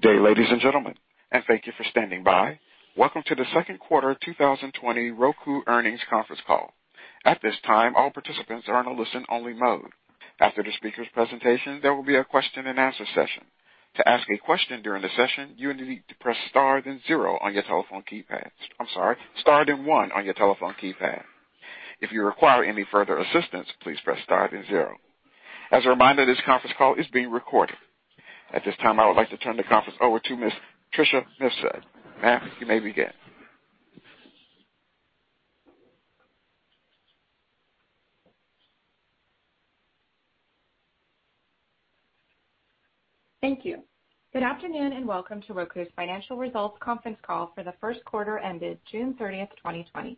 Good day, ladies and gentlemen, and thank you for standing by. Welcome to the second quarter 2020 Roku earnings conference call. At this time, all participants are in a listen-only mode. After the speakers' presentation, there will be a question-and-answer session. To ask a question during the session, you will need to press star then zero on your telephone keypad. I'm sorry, star then one on your telephone keypad. If you require any further assistance, please press star then zero. As a reminder, this conference call is being recorded. At this time, I would like to turn the conference over to Ms. Tricia Mifsud. Ma'am, you may begin. Thank you. Good afternoon, and welcome to Roku's financial results conference call for the first quarter ended June 30th, 2020.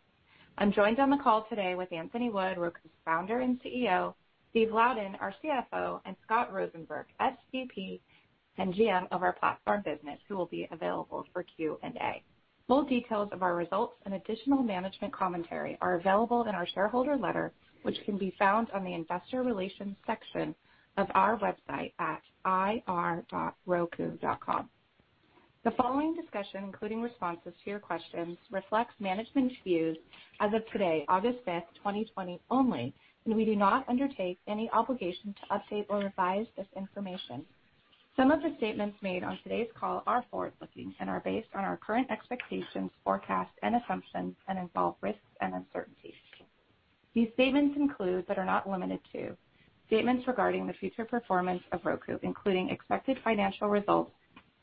I'm joined on the call today with Anthony Wood, Roku's Founder and CEO, Steve Louden, our CFO, and Scott Rosenberg, SVP and GM of our platform business, who will be available for Q&A. Full details of our results and additional management commentary are available in our shareholder letter, which can be found on the investor relations section of our website at ir.roku.com. The following discussion, including responses to your questions, reflects management's views as of today, August 5th, 2020, only, and we do not undertake any obligation to update or revise this information. Some of the statements made on today's call are forward-looking and are based on our current expectations, forecasts, and assumptions and involve risks and uncertainties. These statements include, but are not limited to, statements regarding the future performance of Roku, including expected financial results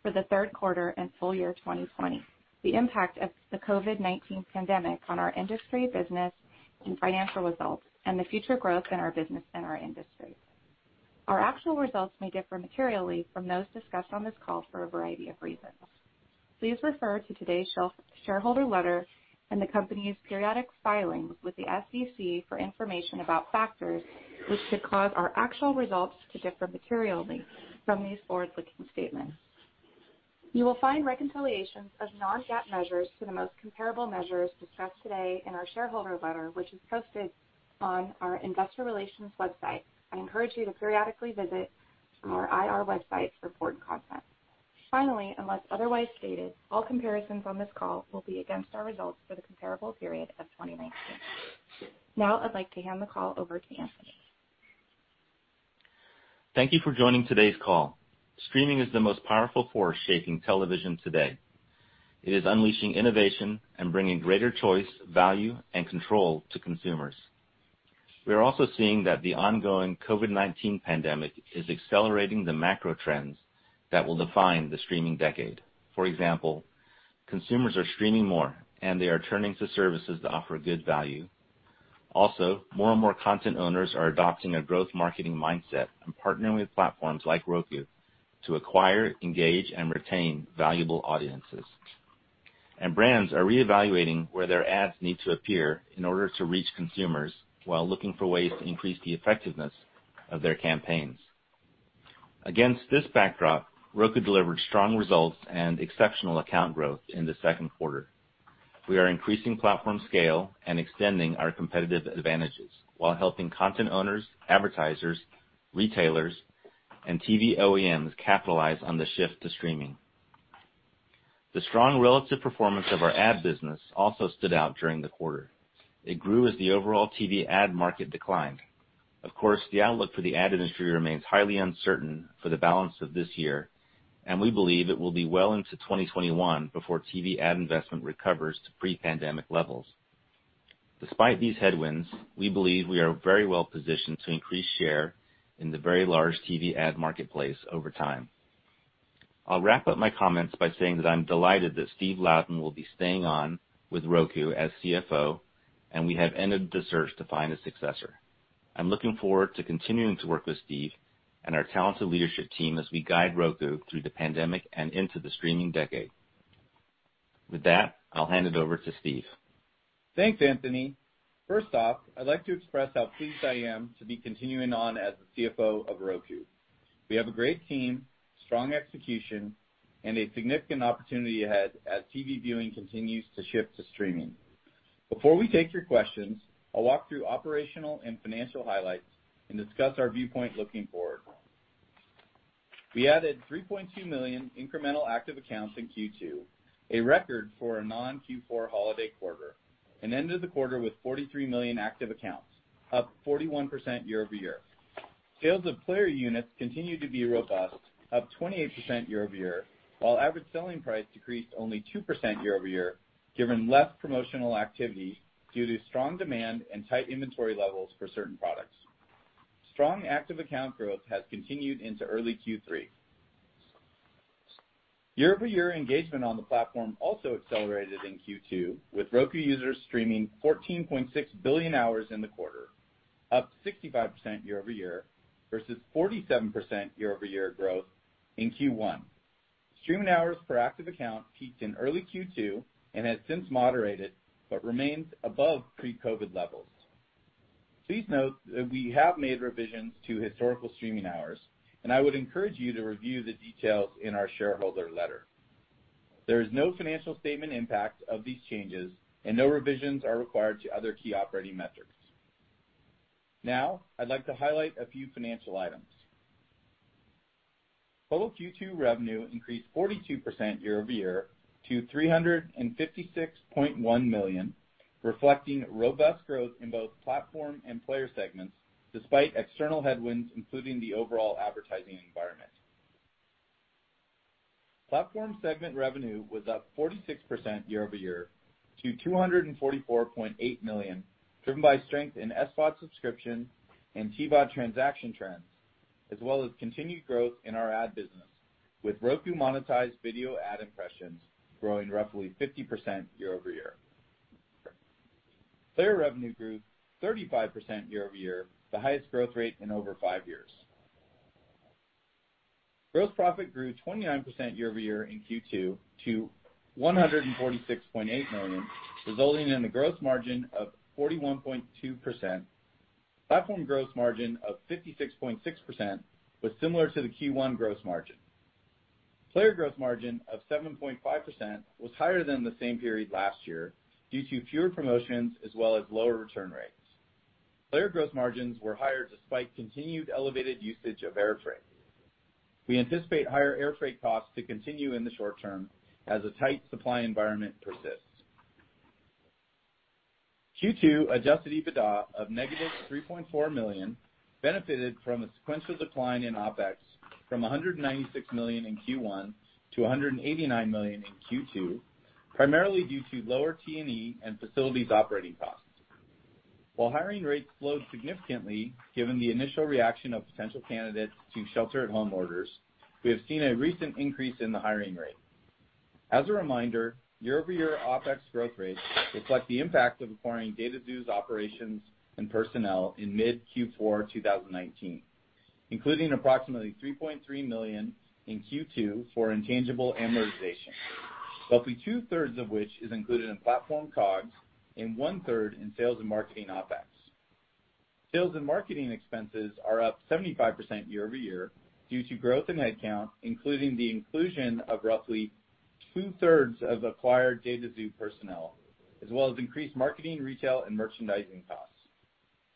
for the third quarter and full year 2020, the impact of the COVID-19 pandemic on our industry, business, and financial results, and the future growth in our business and our industry. Our actual results may differ materially from those discussed on this call for a variety of reasons. Please refer to today's shareholder letter and the company's periodic filings with the SEC for information about factors which could cause our actual results to differ materially from these forward-looking statements. You will find reconciliations of non-GAAP measures to the most comparable measures discussed today in our shareholder letter, which is posted on our investor relations website. I encourage you to periodically visit our IR website for important content. Unless otherwise stated, all comparisons on this call will be against our results for the comparable period of 2019. Now I'd like to hand the call over to Anthony. Thank you for joining today's call. Streaming is the most powerful force shaping television today. It is unleashing innovation and bringing greater choice, value, and control to consumers. We are also seeing that the ongoing COVID-19 pandemic is accelerating the macro trends that will define the streaming decade. For example, consumers are streaming more, they are turning to services that offer good value. Also, more and more content owners are adopting a growth marketing mindset and partnering with platforms like Roku to acquire, engage, and retain valuable audiences. Brands are reevaluating where their ads need to appear in order to reach consumers while looking for ways to increase the effectiveness of their campaigns. Against this backdrop, Roku delivered strong results and exceptional account growth in the second quarter. We are increasing platform scale and extending our competitive advantages while helping content owners, advertisers, retailers, and TV OEMs capitalize on the shift to streaming. The strong relative performance of our ad business also stood out during the quarter. It grew as the overall TV ad market declined. Of course, the outlook for the ad industry remains highly uncertain for the balance of this year, and we believe it will be well into 2021 before TV ad investment recovers to pre-pandemic levels. Despite these headwinds, we believe we are very well positioned to increase share in the very large TV ad marketplace over time. I'll wrap up my comments by saying that I'm delighted that Steve Louden will be staying on with Roku as CFO, and we have ended the search to find a successor. I'm looking forward to continuing to work with Steve and our talented leadership team as we guide Roku through the pandemic and into the streaming decade. With that, I'll hand it over to Steve. Thanks, Anthony. First off, I'd like to express how pleased I am to be continuing on as the CFO of Roku. We have a great team, strong execution, and a significant opportunity ahead as TV viewing continues to shift to streaming. Before we take your questions, I'll walk through operational and financial highlights and discuss our viewpoint looking forward. We added 3.2 million incremental active accounts in Q2, a record for a non-Q4 holiday quarter, and ended the quarter with 43 million active accounts, up 41% year-over-year. Sales of player units continued to be robust, up 28% year-over-year, while average selling price decreased only 2% year-over-year, given less promotional activity due to strong demand and tight inventory levels for certain products. Strong active account growth has continued into early Q3. Year-over-year engagement on the platform also accelerated in Q2, with Roku users streaming 14.6 billion hours in the quarter, up 65% year-over-year versus 47% year-over-year growth in Q1. Streaming hours per active account peaked in early Q2 and has since moderated but remains above pre-COVID-19 levels. Please note that we have made revisions to historical streaming hours, and I would encourage you to review the details in our shareholder letter. There is no financial statement impact of these changes, and no revisions are required to other key operating metrics. Now, I'd like to highlight a few financial items. Total Q2 revenue increased 42% year-over-year to $356.1 million, reflecting robust growth in both platform and player segments, despite external headwinds, including the overall advertising environment. Platform segment revenue was up 46% year-over-year to $244.8 million, driven by strength in SVOD subscription and TVOD transaction trends, as well as continued growth in our ad business, with Roku monetized video ad impressions growing roughly 50% year-over-year. Player revenue grew 35% year-over-year, the highest growth rate in over five years. Gross profit grew 29% year-over-year in Q2 to $146.8 million, resulting in a gross margin of 41.2%. Platform gross margin of 56.6% was similar to the Q1 gross margin. Player gross margin of 7.5% was higher than the same period last year due to fewer promotions as well as lower return rates. Player gross margins were higher despite continued elevated usage of air freight. We anticipate higher air freight costs to continue in the short term as a tight supply environment persists. Q2 adjusted EBITDA of negative $3.4 million benefited from a sequential decline in OpEx from $196 million in Q1 to $189 million in Q2, primarily due to lower T&E and facilities operating costs. While hiring rates slowed significantly given the initial reaction of potential candidates to shelter-at-home orders, we have seen a recent increase in the hiring rate. As a reminder, year-over-year OpEx growth rates reflect the impact of acquiring DataXu's operations and personnel in mid Q4 2019, including approximately $3.3 million in Q2 for intangible amortization, roughly two-thirds of which is included in platform COGS and one-third in sales and marketing OpEx. Sales and marketing expenses are up 75% year-over-year due to growth in headcount, including the inclusion of roughly two-thirds of acquired DataXu personnel, as well as increased marketing, retail, and merchandising costs.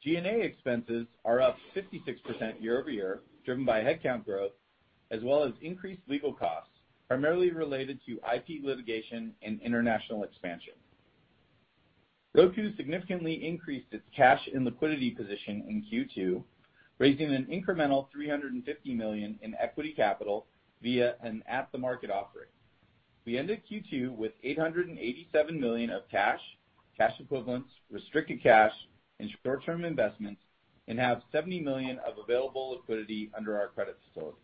G&A expenses are up 56% year-over-year, driven by headcount growth as well as increased legal costs, primarily related to IP litigation and international expansion. Roku significantly increased its cash and liquidity position in Q2, raising an incremental $350 million in equity capital via an at-the-market offering. We ended Q2 with $887 million of cash equivalents, restricted cash, and short-term investments and have $70 million of available liquidity under our credit facility.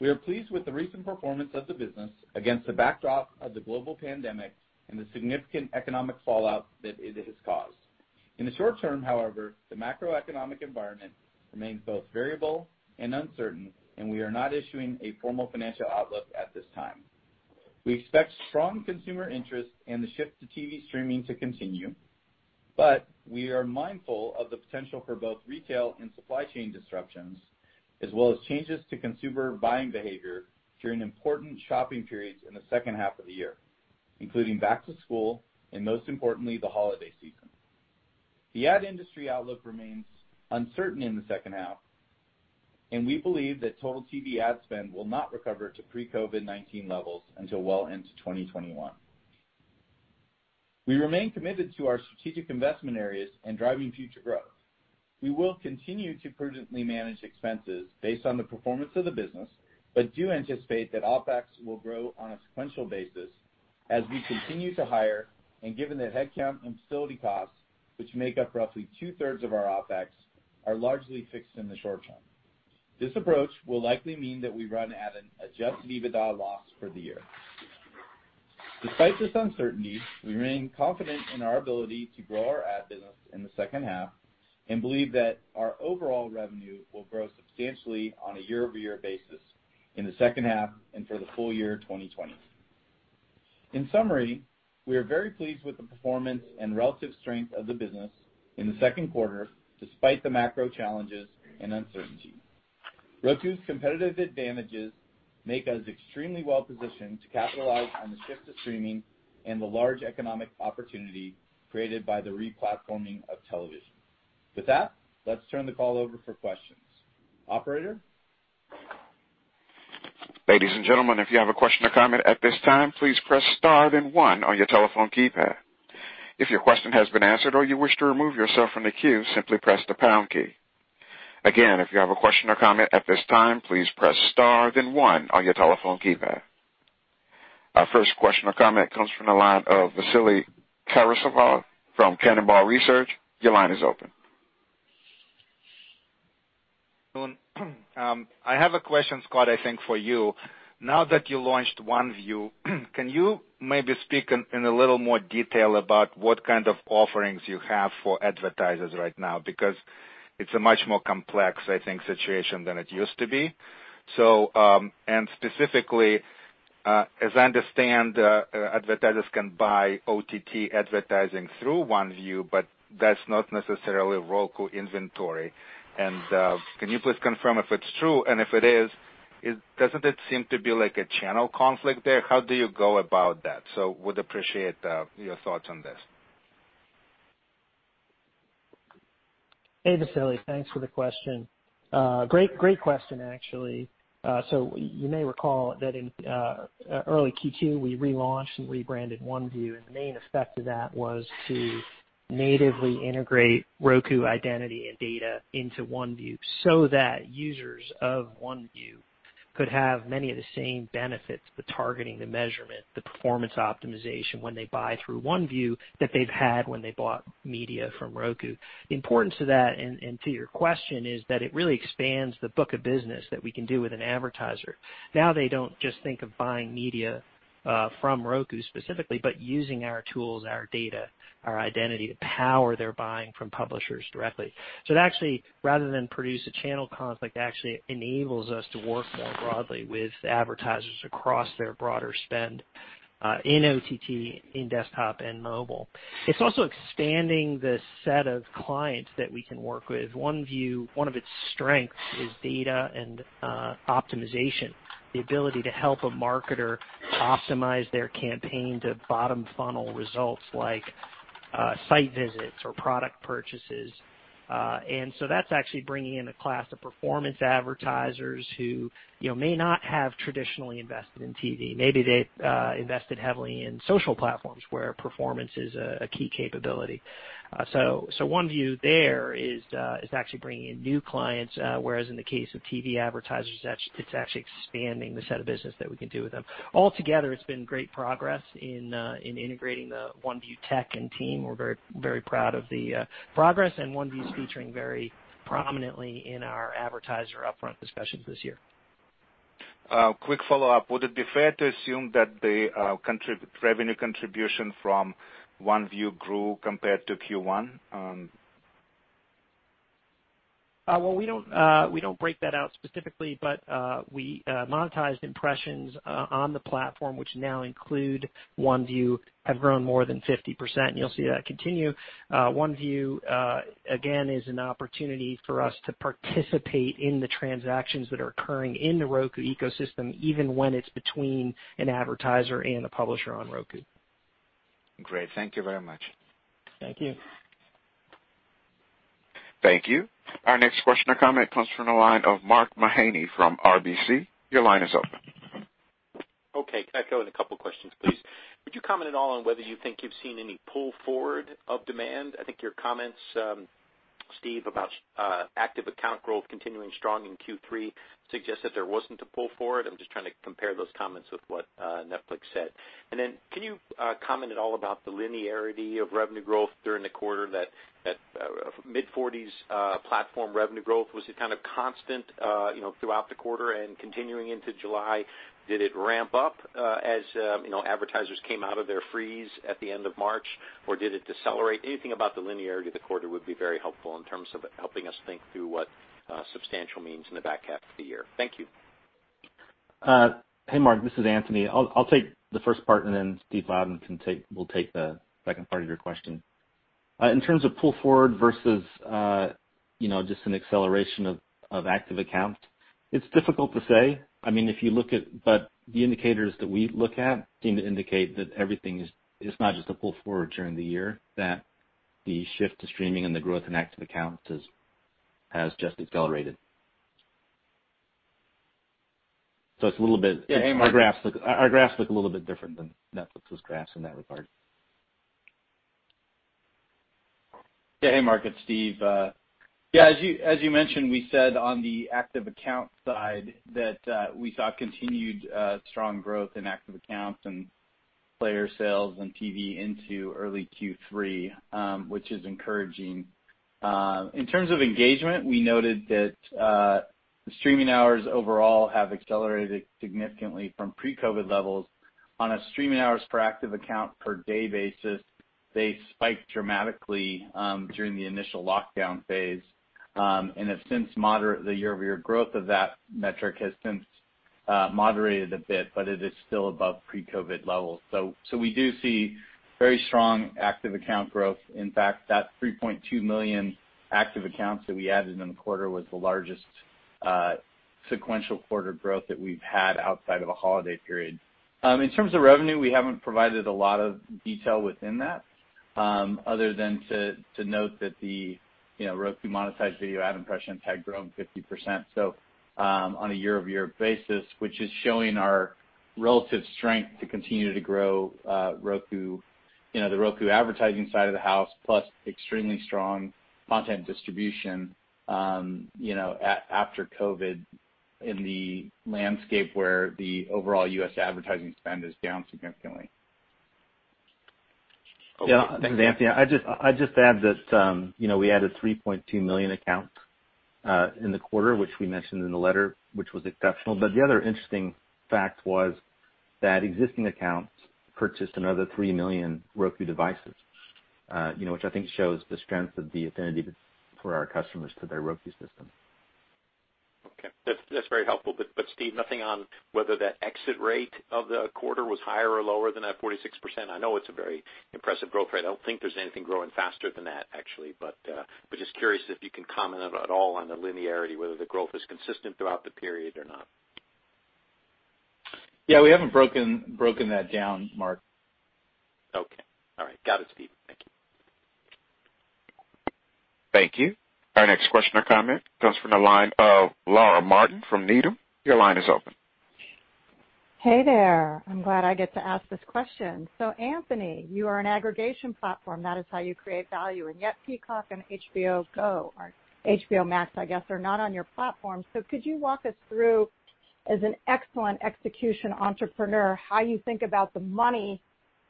We are pleased with the recent performance of the business against the backdrop of the global pandemic and the significant economic fallout that it has caused. In the short term, however, the macroeconomic environment remains both variable and uncertain, and we are not issuing a formal financial outlook at this time. We expect strong consumer interest and the shift to TV streaming to continue, but we are mindful of the potential for both retail and supply chain disruptions, as well as changes to consumer buying behavior during important shopping periods in the second half of the year, including back to school and, most importantly, the holiday season. The ad industry outlook remains uncertain in the second half, and we believe that total TV ad spend will not recover to pre-COVID-19 levels until well into 2021. We remain committed to our strategic investment areas and driving future growth. We will continue to prudently manage expenses based on the performance of the business but do anticipate that OpEx will grow on a sequential basis as we continue to hire and given that headcount and facility costs, which make up roughly two-thirds of our OpEx, are largely fixed in the short term. This approach will likely mean that we run at an adjusted EBITDA loss for the year. Despite this uncertainty, we remain confident in our ability to grow our ad business in the second half and believe that our overall revenue will grow substantially on a year-over-year basis in the second half and for the full year 2020. In summary, we are very pleased with the performance and relative strength of the business in the second quarter, despite the macro challenges and uncertainty. Roku's competitive advantages make us extremely well positioned to capitalize on the shift to streaming and the large economic opportunity created by the re-platforming of television. With that, let's turn the call over for questions. Operator? Our first question or comment comes from the line of Vasily Karasyov from Cannonball Research. Your line is open. I have a question, Scott, I think for you. Now that you launched OneView, can you maybe speak in a little more detail about what kind of offerings you have for advertisers right now? It's a much more complex situation than it used to be. Specifically, as I understand, advertisers can buy OTT advertising through OneView, but that's not necessarily Roku inventory. Can you please confirm if it's true, and if it is, doesn't it seem to be like a channel conflict there? How do you go about that? Would appreciate your thoughts on this. Hey, Vasily. Thanks for the question. Great question, actually. You may recall that in early Q2, we relaunched and rebranded OneView, and the main effect of that was to natively integrate Roku identity and data into OneView so that users of OneView could have many of the same benefits, the targeting, the measurement, the performance optimization when they buy through OneView that they've had when they bought media from Roku. The importance of that, and to your question, is that it really expands the book of business that we can do with an advertiser. Now they don't just think of buying media from Roku specifically, but using our tools, our data, our identity to power their buying from publishers directly. It actually, rather than produce a channel conflict, actually enables us to work more broadly with advertisers across their broader spend, in OTT, in desktop, and mobile. It's also expanding the set of clients that we can work with. OneView, one of its strengths is data and optimization, the ability to help a marketer optimize their campaign to bottom funnel results like site visits or product purchases. That's actually bringing in a class of performance advertisers who may not have traditionally invested in TV. Maybe they've invested heavily in social platforms where performance is a key capability. OneView there is actually bringing in new clients, whereas in the case of TV advertisers, it's actually expanding the set of business that we can do with them. Altogether, it's been great progress in integrating the OneView tech and team. We're very proud of the progress and OneView's featuring very prominently in our advertiser upfront discussions this year. Quick follow-up. Would it be fair to assume that the revenue contribution from OneView grew compared to Q1? Well, we don't break that out specifically, but we monetized impressions on the platform, which now include OneView, have grown more than 50%, and you'll see that continue. OneView, again, is an opportunity for us to participate in the transactions that are occurring in the Roku ecosystem, even when it's between an advertiser and a publisher on Roku. Great. Thank you very much. Thank you. Thank you. Our next question or comment comes from the line of Mark Mahaney from RBC. Okay. Can I go with a couple of questions, please? Would you comment at all on whether you think you've seen any pull forward of demand? I think your comments, Steve, about active account growth continuing strong in Q3 suggests that there wasn't a pull forward. I'm just trying to compare those comments with what Netflix said. Can you comment at all about the linearity of revenue growth during the quarter, that mid-40s platform revenue growth? Was it kind of constant throughout the quarter and continuing into July? Did it ramp up as advertisers came out of their freeze at the end of March, or did it decelerate? Anything about the linearity of the quarter would be very helpful in terms of helping us think through what substantial means in the back half of the year. Thank you. Hey, Mark, this is Anthony. I'll take the first part, and then Steve Louden will take the second part of your question. In terms of pull forward versus just an acceleration of active account, it's difficult to say. The indicators that we look at seem to indicate that everything is not just a pull forward during the year, that the shift to streaming and the growth in active accounts has just accelerated. Yeah, hey Mark. Our graphs look a little bit different than Netflix's graphs in that regard. Yeah. Hey, Mark. It's Steve. Yeah, as you mentioned, we said on the active account side that we saw continued strong growth in active accounts and player sales and TV into early Q3, which is encouraging. In terms of engagement, we noted that streaming hours overall have accelerated significantly from pre-COVID levels. On a streaming hours per active account per day basis, they spiked dramatically during the initial lockdown phase, and the year-over-year growth of that metric has since moderated a bit, but it is still above pre-COVID levels. We do see very strong active account growth. In fact, that 3.2 million active accounts that we added in the quarter was the largest sequential quarter growth that we've had outside of a holiday period. In terms of revenue, we haven't provided a lot of detail within that, other than to note that the Roku monetized video ad impressions had grown 50%. On a year-over-year basis, which is showing our relative strength to continue to grow the Roku advertising side of the house, plus extremely strong content distribution after COVID in the landscape where the overall U.S. advertising spend is down significantly. Yeah. This is Anthony. I'd just add that we added 3.2 million accounts in the quarter, which we mentioned in the letter, which was exceptional. The other interesting fact was that existing accounts purchased another 3 million Roku devices which I think shows the strength of the affinity for our customers to their Roku system. Okay. That's very helpful. Steve, nothing on whether that exit rate of the quarter was higher or lower than that 46%. I know it's a very impressive growth rate. I don't think there's anything growing faster than that, actually. Just curious if you can comment at all on the linearity, whether the growth was consistent throughout the period or not. Yeah, we haven't broken that down, Mark. Okay. All right. Got it, Steve. Thank you. Thank you. Our next question or comment comes from the line of Laura Martin from Needham. Your line is open. Hey there. I'm glad I get to ask this question. Anthony, you are an aggregation platform. That is how you create value. Yet, Peacock and HBO Max are not on your platform. Could you walk us through, as an excellent execution entrepreneur, how you think about the money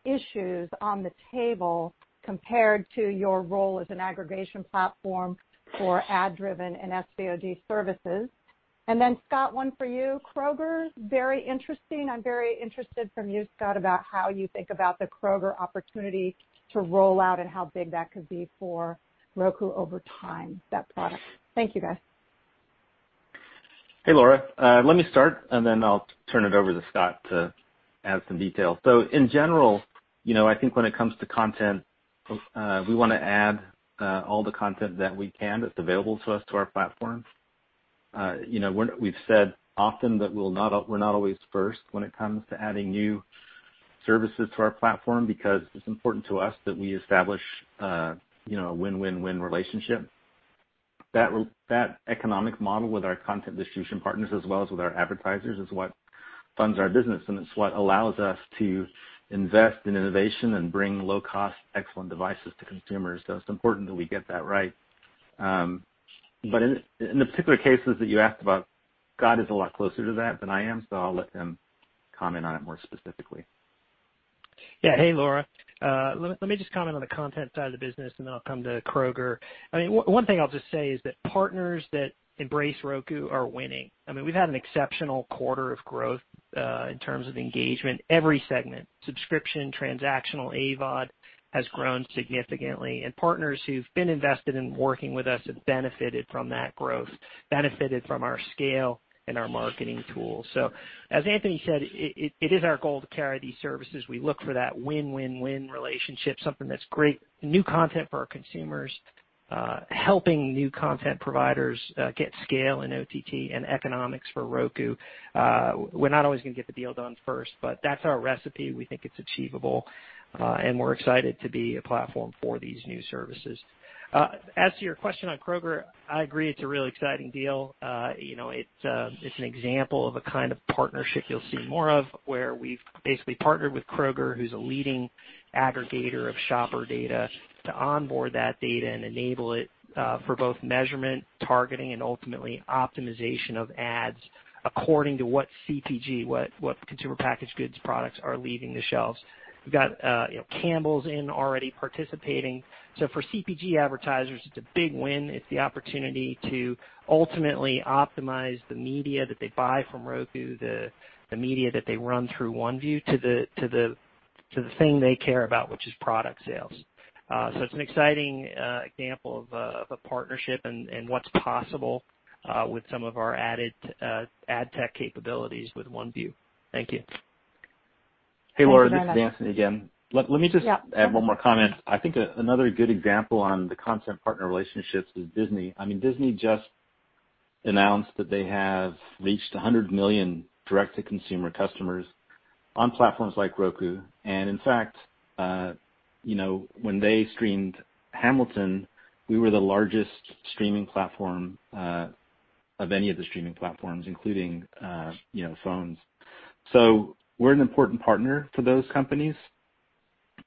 issues on the table compared to your role as an aggregation platform for ad-driven and SVOD services? Then Scott, one for you. Kroger, very interesting. I'm very interested from you, Scott, about how you think about the Kroger opportunity to roll out and how big that could be for Roku over time, that product. Thank you, guys. Hey, Laura. Let me start, and then I'll turn it over to Scott to add some detail. In general, I think when it comes to content, we want to add all the content that we can that's available to us to our platform. We've said often that we're not always first when it comes to adding new services to our platform because it's important to us that we establish a win-win-win relationship. That economic model with our content distribution partners as well as with our advertisers is what funds our business, and it's what allows us to invest in innovation and bring low-cost, excellent devices to consumers. It's important that we get that right. In the particular cases that you asked about, Scott is a lot closer to that than I am, so I'll let him comment on it more specifically. Yeah. Hey, Laura. Let me just comment on the content side of the business, and then I'll come to Kroger. One thing I'll just say is that partners that embrace Roku are winning. We've had an exceptional quarter of growth, in terms of engagement. Every segment, subscription, transactional, AVOD, has grown significantly, and partners who've been invested in working with us have benefited from that growth, benefited from our scale and our marketing tools. As Anthony said, it is our goal to carry these services. We look for that win-win-win relationship, something that's great new content for our consumers, helping new content providers get scale in OTT and economics for Roku. We're not always going to get the deal done first, but that's our recipe. We think it's achievable. We're excited to be a platform for these new services. As to your question on Kroger, I agree it's a real exciting deal. It's an example of a kind of partnership you'll see more of, where we've basically partnered with Kroger, who's a leading aggregator of shopper data to onboard that data and enable it for both measurement, targeting, and ultimately optimization of ads according to what CPG, what consumer packaged goods products are leaving the shelves. We've got Campbell's in already participating. For CPG advertisers, it's a big win. It's the opportunity to ultimately optimize the media that they buy from Roku, the media that they run through OneView to the thing they care about, which is product sales. It's an exciting example of a partnership and what's possible with some of our added ad tech capabilities with OneView. Thank you. Thank you very much. Hey, Laura. This is Anthony again. Yeah add one more comment. I think another good example on the content partner relationships is Disney. Disney just announced that they have reached 100 million direct-to-consumer customers on platforms like Roku. In fact, when they streamed "Hamilton," we were the largest streaming platform of any of the streaming platforms, including phones. We're an important partner to those companies,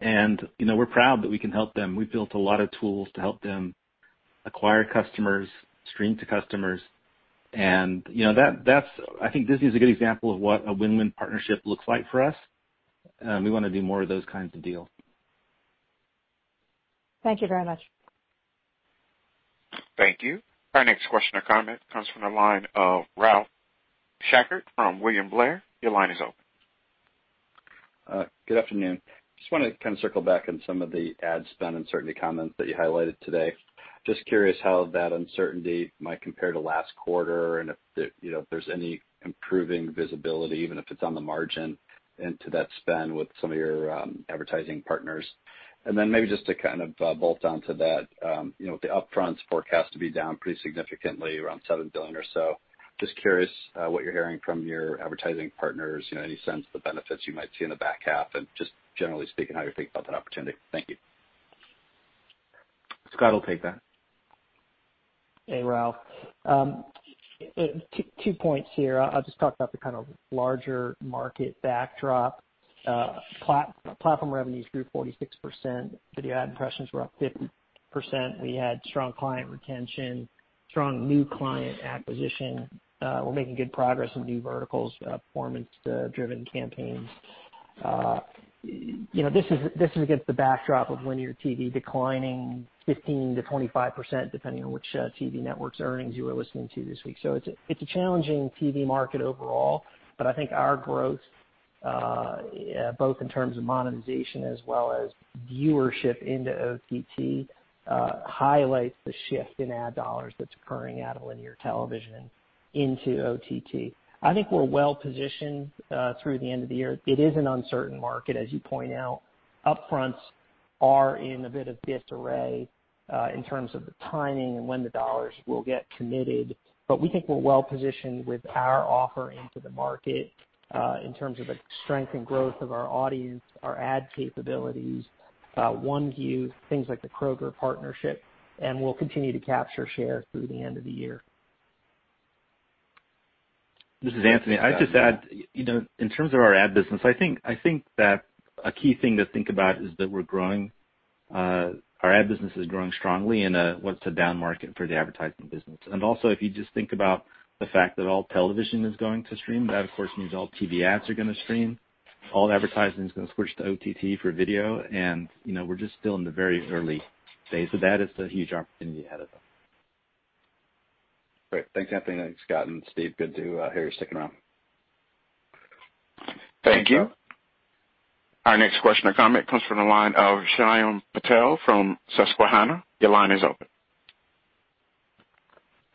and we're proud that we can help them. We've built a lot of tools to help them acquire customers, stream to customers, and I think Disney is a good example of what a win-win partnership looks like for us. We want to do more of those kinds of deals. Thank you very much. Thank you. Our next question or comment comes from the line of Ralph Schackart from William Blair. Your line is open. Good afternoon. Wanted to kind of circle back on some of the ad spend uncertainty comments that you highlighted today. Curious how that uncertainty might compare to last quarter, and if there's any improving visibility, even if it's on the margin into that spend with some of your advertising partners. Maybe to kind of bolt onto that, with the upfronts forecast to be down pretty significantly, around $7 billion or so, curious what you're hearing from your advertising partners. Any sense of the benefits you might see in the back half and generally speaking, how you think about that opportunity. Thank you. Scott will take that. Hey, Ralph. Two points here. I'll just talk about the kind of larger market backdrop. Platform revenues grew 46%. Video ad impressions were up 50%. We had strong client retention, strong new client acquisition. We're making good progress in new verticals, performance-driven campaigns. This is against the backdrop of linear TV declining 15%-25%, depending on which TV network's earnings you were listening to this week. It's a challenging TV market overall, but I think our growth, both in terms of monetization as well as viewership into OTT, highlights the shift in ad dollars that's occurring out of linear television into OTT. I think we're well-positioned through the end of the year. It is an uncertain market, as you point out. Upfronts. Are in a bit of disarray in terms of the timing and when the dollars will get committed. We think we're well-positioned with our offering to the market in terms of the strength and growth of our audience, our ad capabilities, OneView, things like the Kroger partnership, and we'll continue to capture share through the end of the year. This is Anthony. I'd just add, in terms of our ad business, I think that a key thing to think about is that our ad business is growing strongly in what's a down market for the advertising business. Also if you just think about the fact that all television is going to stream, that of course means all TV ads are going to stream. All advertising is going to switch to OTT for video, and we're just still in the very early phase of that. It's a huge opportunity ahead of us. Great. Thanks, Anthony. Thanks, Scott, and Steve, good to hear you're sticking around. Thank you. Our next question or comment comes from the line of Shyam Patil from Susquehanna.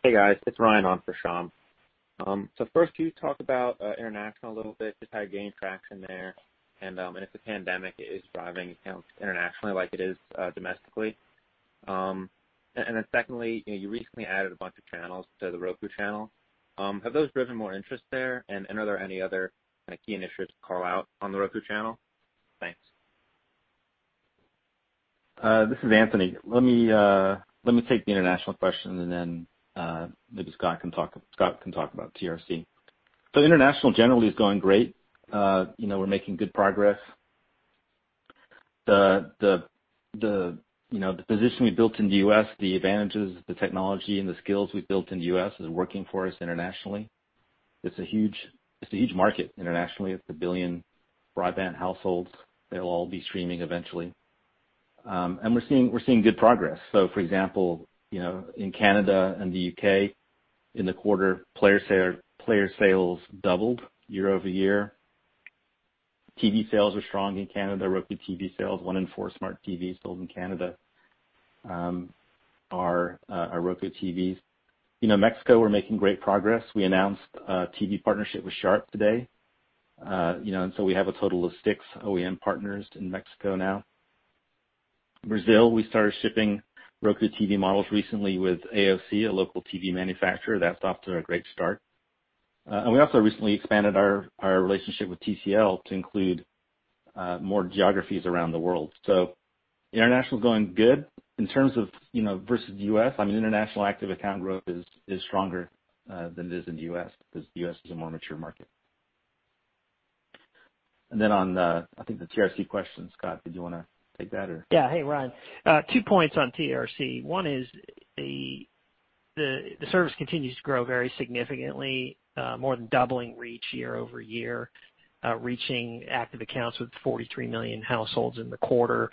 Hey, guys. It's Ryan on for Shyam. First, can you talk about international a little bit, just how you're gaining traction there, and if the pandemic is driving internationally like it is domestically. Secondly, you recently added a bunch of channels to The Roku Channel. Have those driven more interest there? Are there any other key initiatives to call out on The Roku Channel? Thanks. This is Anthony. Let me take the international question and then maybe Scott can talk about TRC. International generally is going great. We're making good progress. The position we built in the U.S., the advantages, the technology, and the skills we built in the U.S. is working for us internationally. It's a huge market internationally. It's 1 billion broadband households. They'll all be streaming eventually. We're seeing good progress. For example, in Canada and the U.K. in the quarter, player sales doubled year-over-year. TV sales are strong in Canada. Roku TV sales, one in four smart TVs sold in Canada are Roku TVs. Mexico, we're making great progress. We announced a TV partnership with Sharp today. We have a total of six OEM partners in Mexico now. Brazil, we started shipping Roku TV models recently with AOC, a local TV manufacturer. That's off to a great start. We also recently expanded our relationship with TCL to include more geographies around the world. International is going good. In terms of versus U.S., international active account growth is stronger than it is in the U.S. because the U.S. is a more mature market. On the, I think the TRC question, Scott, did you want to take that or? Hey, Ryan. Two points on TRC. One is the service continues to grow very significantly, more than doubling reach year-over-year, reaching active accounts with 43 million households in the quarter.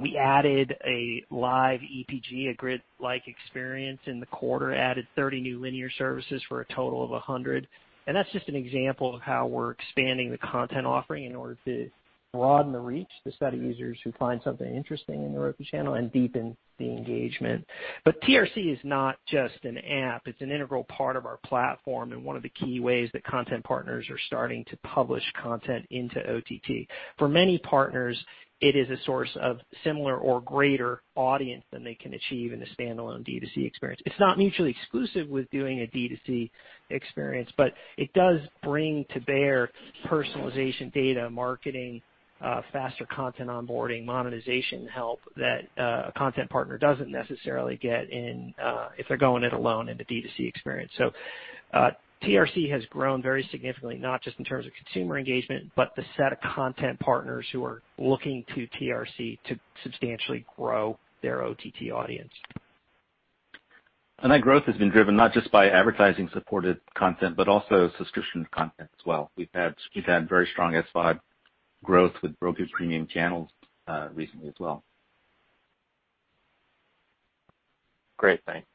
We added a live EPG, a grid-like experience in the quarter, added 30 new linear services for a total of 100. That's just an example of how we're expanding the content offering in order to broaden the reach to set users who find something interesting in The Roku Channel and deepen the engagement. TRC is not just an app. It's an integral part of our platform and one of the key ways that content partners are starting to publish content into OTT. For many partners, it is a source of similar or greater audience than they can achieve in a standalone D2C experience. It's not mutually exclusive with doing a D2C experience, but it does bring to bear personalization, data, marketing, faster content onboarding, monetization help that a content partner doesn't necessarily get if they're going it alone in the D2C experience. TRC has grown very significantly, not just in terms of consumer engagement, but the set of content partners who are looking to TRC to substantially grow their OTT audience. That growth has been driven not just by advertising-supported content, but also subscription content as well. We've had very strong SVOD growth with Roku premium channels recently as well. Great, thanks.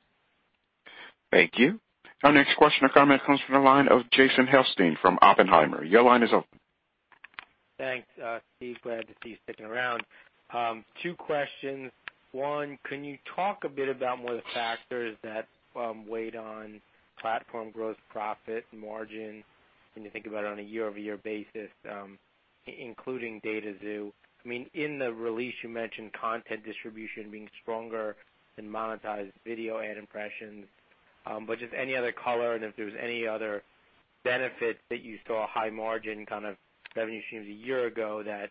Thank you. Our next question or comment comes from the line of Jason Helfstein from Oppenheimer. Your line is open. Thanks, Steve. Glad to see you sticking around. Two questions. One, can you talk a bit about what the factors that weighed on platform growth, profit margin when you think about it on a year-over-year basis including DataXu? In the release, you mentioned content distribution being stronger than monetized video ad impressions, but just any other color and if there's any other benefits that you saw high margin kind of revenue streams a year ago that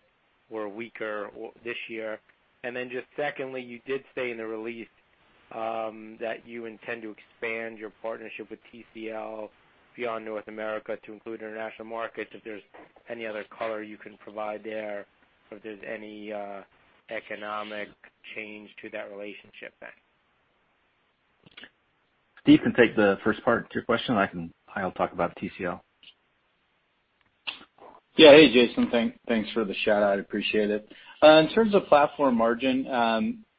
were weaker this year? Just secondly, you did say in the release that you intend to expand your partnership with TCL beyond North America to include international markets. If there's any other color you can provide there or if there's any economic change to that relationship then? Steve can take the first part to your question. I'll talk about TCL. Yeah. Hey, Jason. Thanks for the shout-out. Appreciate it. In terms of platform margin,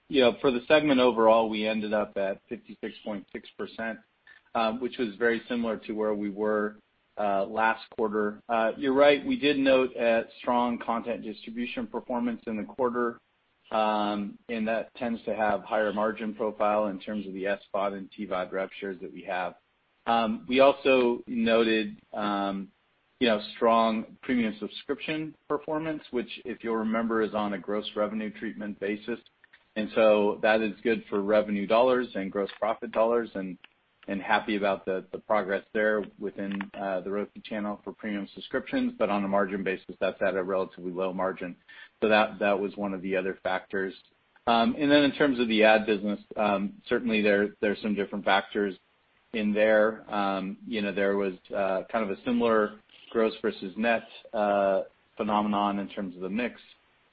for the segment overall, we ended up at 56.6%, which was very similar to where we were last quarter. You're right, we did note a strong content distribution performance in the quarter. That tends to have higher margin profile in terms of the SVOD and TVOD rev shares that we have. We also noted strong premium subscription performance, which, if you'll remember, is on a gross revenue treatment basis. That is good for revenue dollars and gross profit dollars. Happy about the progress there within The Roku Channel for premium subscriptions. On a margin basis, that's at a relatively low margin. That was one of the other factors. In terms of the ad business, certainly there's some different factors in there. There was kind of a similar gross versus net phenomenon in terms of the mix,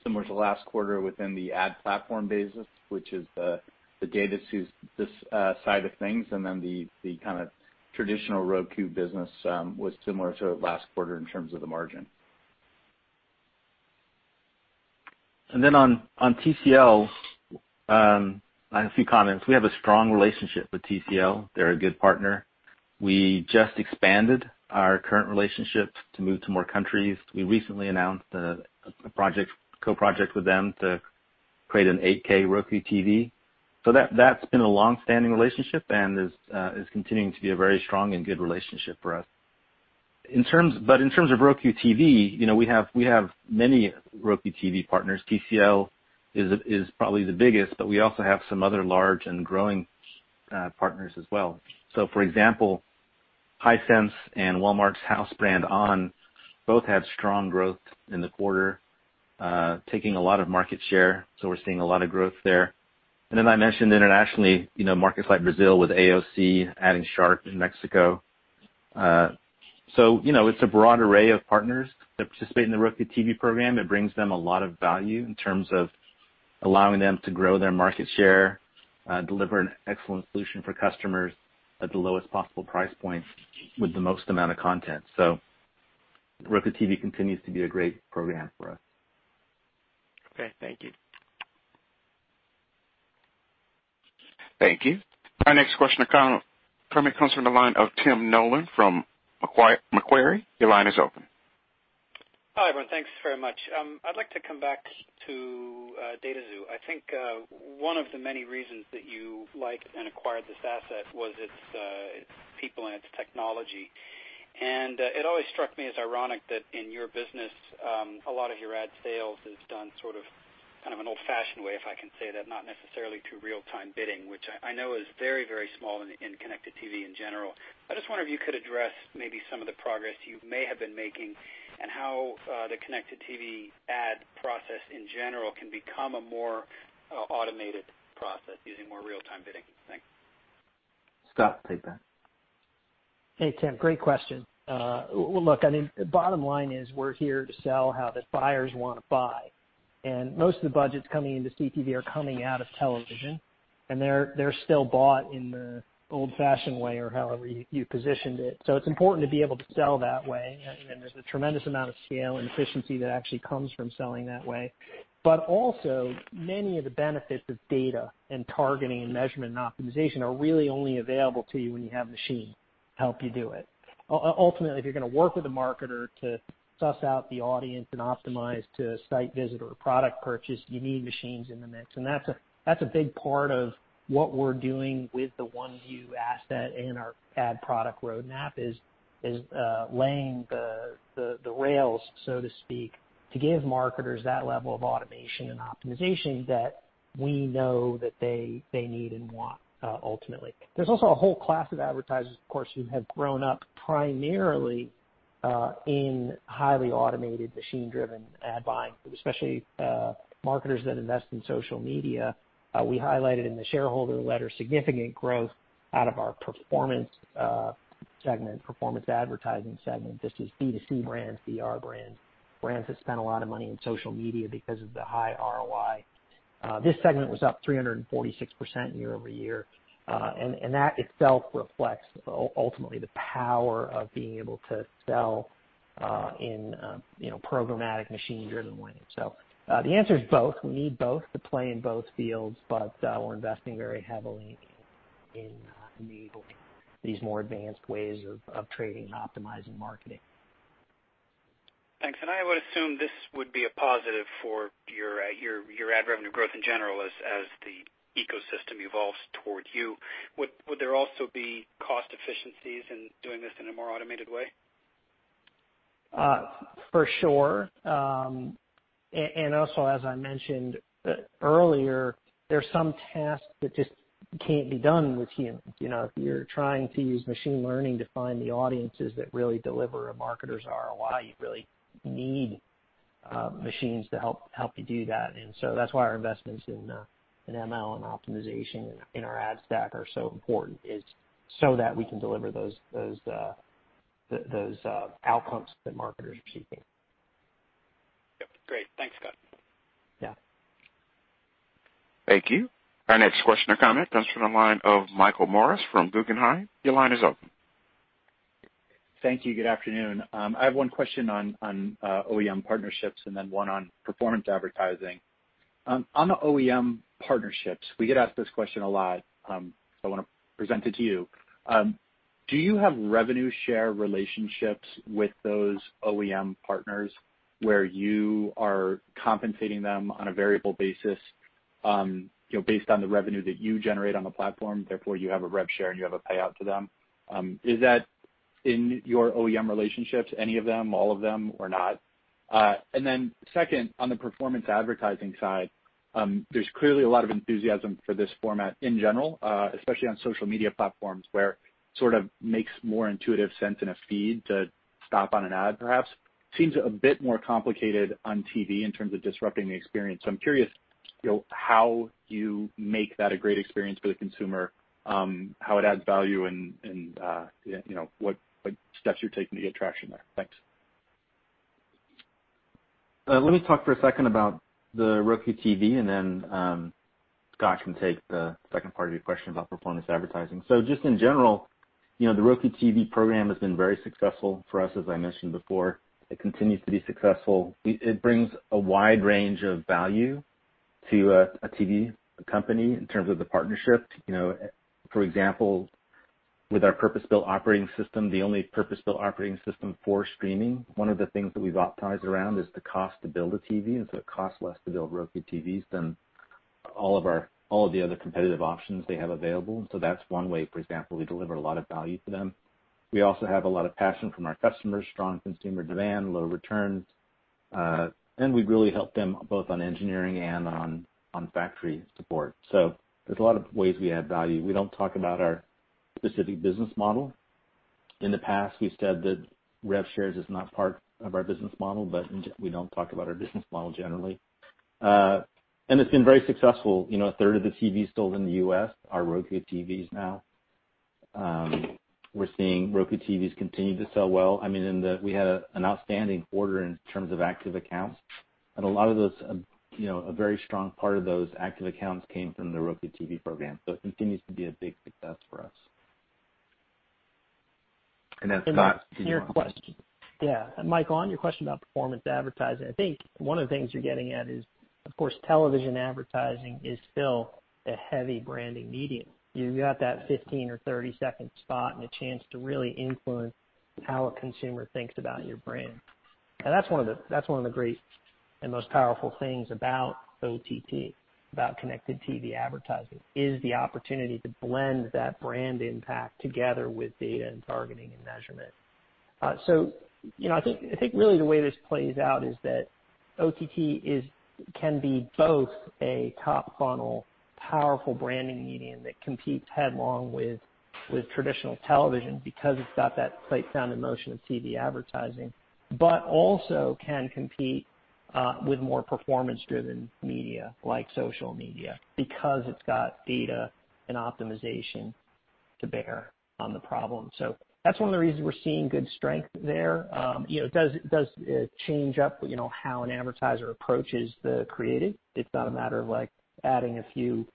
similar to last quarter within the ad platform basis, which is the DataXu side of things, and then the kind of traditional Roku business was similar to last quarter in terms of the margin. On TCL, I have a few comments. We have a strong relationship with TCL. They're a good partner. We just expanded our current relationship to move to more countries. We recently announced a co-project with them to create an 8K Roku TV. That's been a long-standing relationship and is continuing to be a very strong and good relationship for us. In terms of Roku TV, we have many Roku TV partners. TCL is probably the biggest, but we also have some other large and growing partners as well. For example, Hisense and Walmart's house brand, onn, both had strong growth in the quarter, taking a lot of market share. We're seeing a lot of growth there. As I mentioned internationally, markets like Brazil with AOC, adding Sharp in Mexico. It's a broad array of partners that participate in the Roku TV program. It brings them a lot of value in terms of allowing them to grow their market share, deliver an excellent solution for customers at the lowest possible price point with the most amount of content. Roku TV continues to be a great program for us. Okay. Thank you. Thank you. Our next question or comment comes from the line of Tim Nollen from Macquarie. Hi, everyone. Thanks very much. I'd like to come back to DataXu. I think one of the many reasons that you liked and acquired this asset was its people and its technology. It always struck me as ironic that in your business, a lot of your ad sales is done sort of, kind of an old-fashioned way, if I can say that, not necessarily through real-time bidding, which I know is very small in connected TV in general. I just wonder if you could address maybe some of the progress you may have been making and how the connected TV ad process in general can become a more automated process using more real-time bidding. Thanks. Scott, take that. Hey, Tim. Great question. Well, look, I mean, bottom line is we're here to sell how the buyers want to buy. Most of the budgets coming into CTV are coming out of television, and they're still bought in the old-fashioned way or however you positioned it. It's important to be able to sell that way, and there's a tremendous amount of scale and efficiency that actually comes from selling that way. Also, many of the benefits of data and targeting and measurement and optimization are really only available to you when you have machine to help you do it. Ultimately, if you're going to work with a marketer to suss out the audience and optimize to site visit or product purchase, you need machines in the mix. That's a big part of what we're doing with the OneView asset and our ad product roadmap is laying the rails, so to speak, to give marketers that level of automation and optimization that we know that they need and want ultimately. There's also a whole class of advertisers, of course, who have grown up primarily in highly automated machine-driven ad buying, especially marketers that invest in social media. We highlighted in the shareholder letter significant growth out of our performance segment, performance advertising segment. This is B2C brands, D2C brands that spend a lot of money on social media because of the high ROI. This segment was up 346% year-over-year. That itself reflects ultimately the power of being able to sell in programmatic machine-driven ways. The answer is both. We need both to play in both fields, but we're investing very heavily in enabling these more advanced ways of trading and optimizing marketing. Thanks. I would assume this would be a positive for your ad revenue growth in general as the ecosystem evolves towards you. Would there also be cost efficiencies in doing this in a more automated way? For sure. Also, as I mentioned earlier, there's some tasks that just can't be done with humans. If you're trying to use machine learning to find the audiences that really deliver a marketer's ROI, you really need machines to help you do that. That's why our investments in ML and optimization in our ad stack are so important is so that we can deliver those outcomes that marketers are seeking. Yep. Great. Thanks, Scott. Yeah. Thank you. Our next question or comment comes from the line of Michael Morris from Guggenheim. Your line is open. Thank you. Good afternoon. I have one question on OEM partnerships and then one on performance advertising. On the OEM partnerships, we get asked this question a lot, so I want to present it to you. Do you have revenue share relationships with those OEM partners where you are compensating them on a variable basis based on the revenue that you generate on the platform, therefore you have a rev share and you have a payout to them. Is that in your OEM relationships, any of them, all of them, or not? Second, on the performance advertising side, there's clearly a lot of enthusiasm for this format in general, especially on social media platforms where sort of makes more intuitive sense in a feed to stop on an ad perhaps. Seems a bit more complicated on TV in terms of disrupting the experience. I'm curious how you make that a great experience for the consumer, how it adds value and what steps you're taking to get traction there. Thanks. Let me talk for a second about the Roku TV and then Scott can take the second part of your question about performance advertising. Just in general, the Roku TV program has been very successful for us, as I mentioned before. It continues to be successful. It brings a wide range of value to a TV company in terms of the partnership. For example, with our purpose-built operating system, the only purpose-built operating system for streaming, one of the things that we've optimized around is the cost to build a TV. It costs less to build Roku TVs than all of the other competitive options they have available. That's one way, for example, we deliver a lot of value to them. We also have a lot of passion from our customers, strong consumer demand, low returns. We really help them both on engineering and on factory support. There's a lot of ways we add value. We don't talk about our specific business model. In the past, we've said that rev shares is not part of our business model, but we don't talk about our business model generally. It's been very successful. A third of the TVs sold in the U.S. are Roku TVs now. We're seeing Roku TVs continue to sell well. We had an outstanding quarter in terms of active accounts. A lot of those, a very strong part of those active accounts came from the Roku TV program. It continues to be a big success for us. Scott, do you want to- Yeah. Michael, on your question about performance advertising, I think one of the things you're getting at is, of course, television advertising is still a heavy branding medium. You've got that 15 or 30-second spot and a chance to really influence how a consumer thinks about your brand. That's one of the great and most powerful things about OTT, about connected TV advertising, is the opportunity to blend that brand impact together with data and targeting and measurement. I think really the way this plays out is that OTT can be both a top funnel, powerful branding medium that competes headlong with traditional television because it's got that sight, sound, and motion of TV advertising. Also can compete with more performance-driven media like social media because it's got data and optimization to bear on the problem. That's one of the reasons we're seeing good strength there. It does change up how an advertiser approaches the creative. It's not a matter of adding a few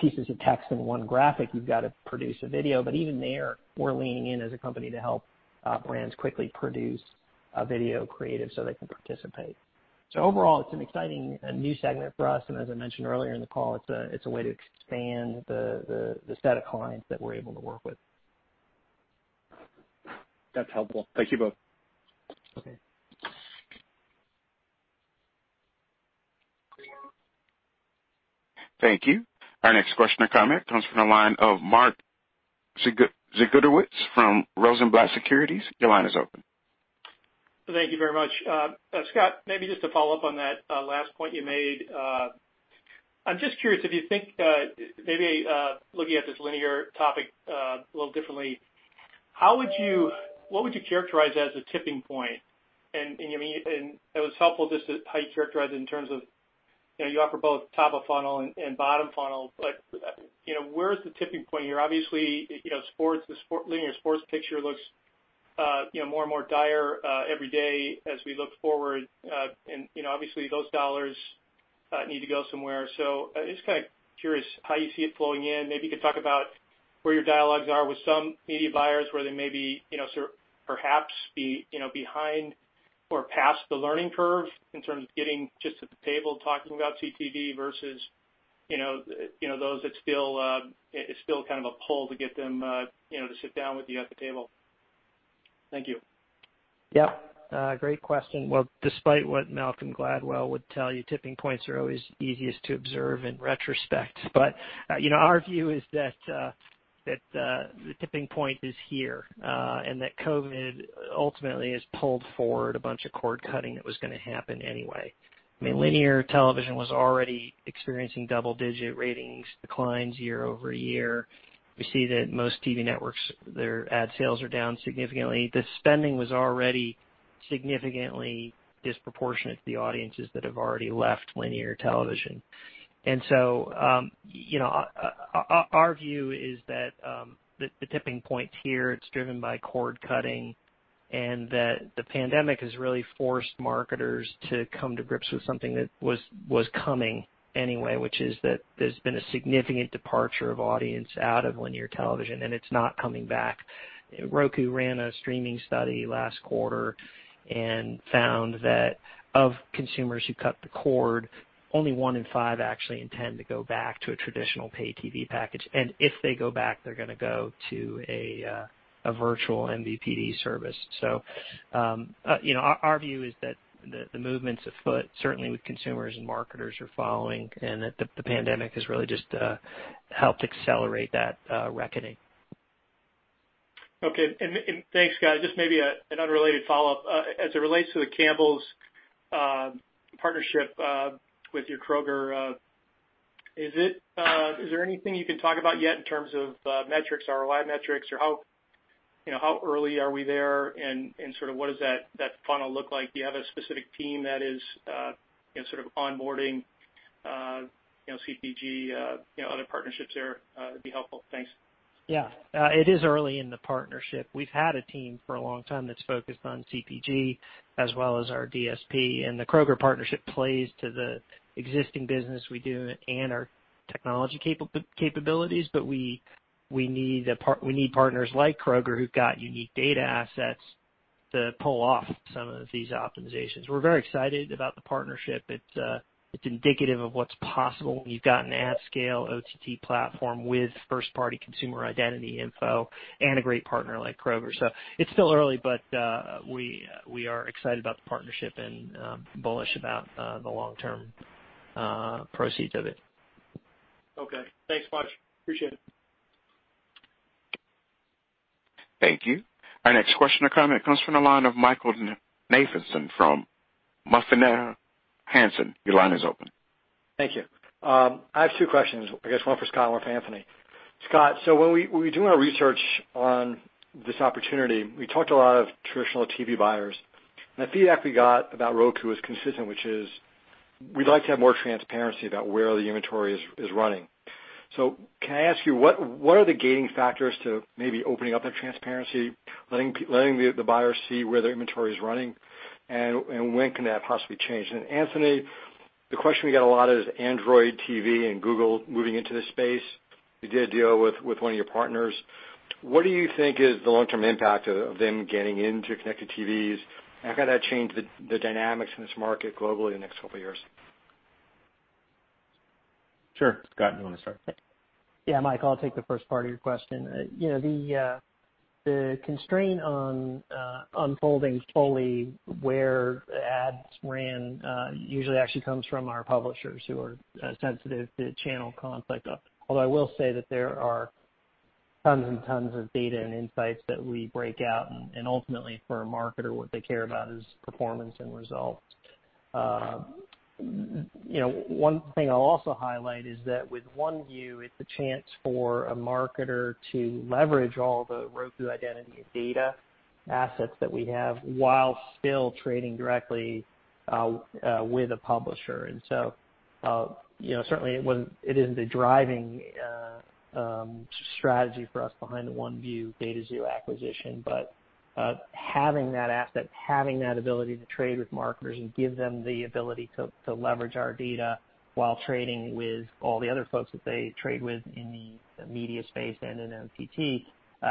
pieces of text in one graphic. You've got to produce a video. Even there, we're leaning in as a company to help brands quickly produce a video creative so they can participate. Overall, it's an exciting and new segment for us, and as I mentioned earlier in the call, it's a way to expand the set of clients that we're able to work with. That's helpful. Thank you both. Okay. Thank you. Our next question or comment comes from the line of Mark Mahaney from Rosenblatt Securities. Your line is open. Thank you very much. Scott, maybe just to follow up on that last point you made. I'm just curious if you think, maybe looking at this linear topic a little differently, what would you characterize as a tipping point? It was helpful just how you characterize it in terms of you offer both top of funnel and bottom funnel, where's the tipping point here? Obviously, linear sports picture looks more and more dire every day as we look forward. Obviously those dollars need to go somewhere. I'm just kind of curious how you see it flowing in. Maybe you could talk about where your dialogues are with some media buyers, where they may be perhaps be behind or past the learning curve in terms of getting just to the table talking about CTV versus those that it's still kind of a pull to get them to sit down with you at the table? Thank you. Yeah. Great question. Well, despite what Malcolm Gladwell would tell you, tipping points are always easiest to observe in retrospect. Our view is that the tipping point is here and that COVID ultimately has pulled forward a bunch of cord cutting that was going to happen anyway. Linear television was already experiencing double-digit ratings declines year-over-year. We see that most TV networks, their ad sales are down significantly. The spending was already significantly disproportionate to the audiences that have already left linear television. Our view is that the tipping point's here, it's driven by cord cutting, and that the pandemic has really forced marketers to come to grips with something that was coming anyway, which is that there's been a significant departure of audience out of linear television, and it's not coming back. Roku ran a streaming study last quarter and found that of consumers who cut the cord, only one in five actually intend to go back to a traditional paid TV package. If they go back, they're going to go to a virtual MVPD service. Our view is that the movement's afoot, certainly with consumers and marketers are following, and that the pandemic has really just helped accelerate that reckoning. Okay. Thanks, guys. Just maybe an unrelated follow-up. As it relates to the Campbell's partnership with your Kroger, is there anything you can talk about yet in terms of metrics, ROI metrics, or how early are we there and sort of what does that funnel look like? Do you have a specific team that is sort of onboarding CPG other partnerships there? That'd be helpful. Thanks. Yeah. It is early in the partnership. We've had a team for a long time that's focused on CPG as well as our DSP, the Kroger partnership plays to the existing business we do and our technology capabilities. We need partners like Kroger who've got unique data assets to pull off some of these optimizations. We're very excited about the partnership. It's indicative of what's possible when you've got an at-scale OTT platform with first-party consumer identity info and a great partner like Kroger. It's still early, but we are excited about the partnership and bullish about the long-term proceeds of it. Okay. Thanks much. Appreciate it. Thank you. Our next question or comment comes from the line of Michael Nathanson from MoffettNathanson. Thank you. I have two questions, I guess one for Scott, one for Anthony. Scott, when we were doing our research on this opportunity, we talked to a lot of traditional TV buyers, and the feedback we got about Roku is consistent, which is we'd like to have more transparency about where the inventory is running. Can I ask you, what are the gating factors to maybe opening up that transparency, letting the buyers see where their inventory is running, and when can that possibly change? Anthony, the question we get a lot is Android TV and Google moving into this space. You did a deal with one of your partners. What do you think is the long-term impact of them getting into connected TVs? How can that change the dynamics in this market globally in the next couple of years? Sure. Scott, do you want to start? Yeah, Michael, I'll take the first part of your question. The constraint on unfolding fully where ads ran usually actually comes from our publishers who are sensitive to channel conflict. Although I will say that there are tons and tons of data and insights that we break out, and ultimately for a marketer, what they care about is performance and results. One thing I'll also highlight is that with OneView, it's a chance for a marketer to leverage all the Roku identity and data assets that we have while still trading directly with a publisher. Certainly it isn't the driving strategy for us behind the OneView DataXu acquisition. Having that asset, having that ability to trade with marketers and give them the ability to leverage our data while trading with all the other folks that they trade with in the media space and in OTT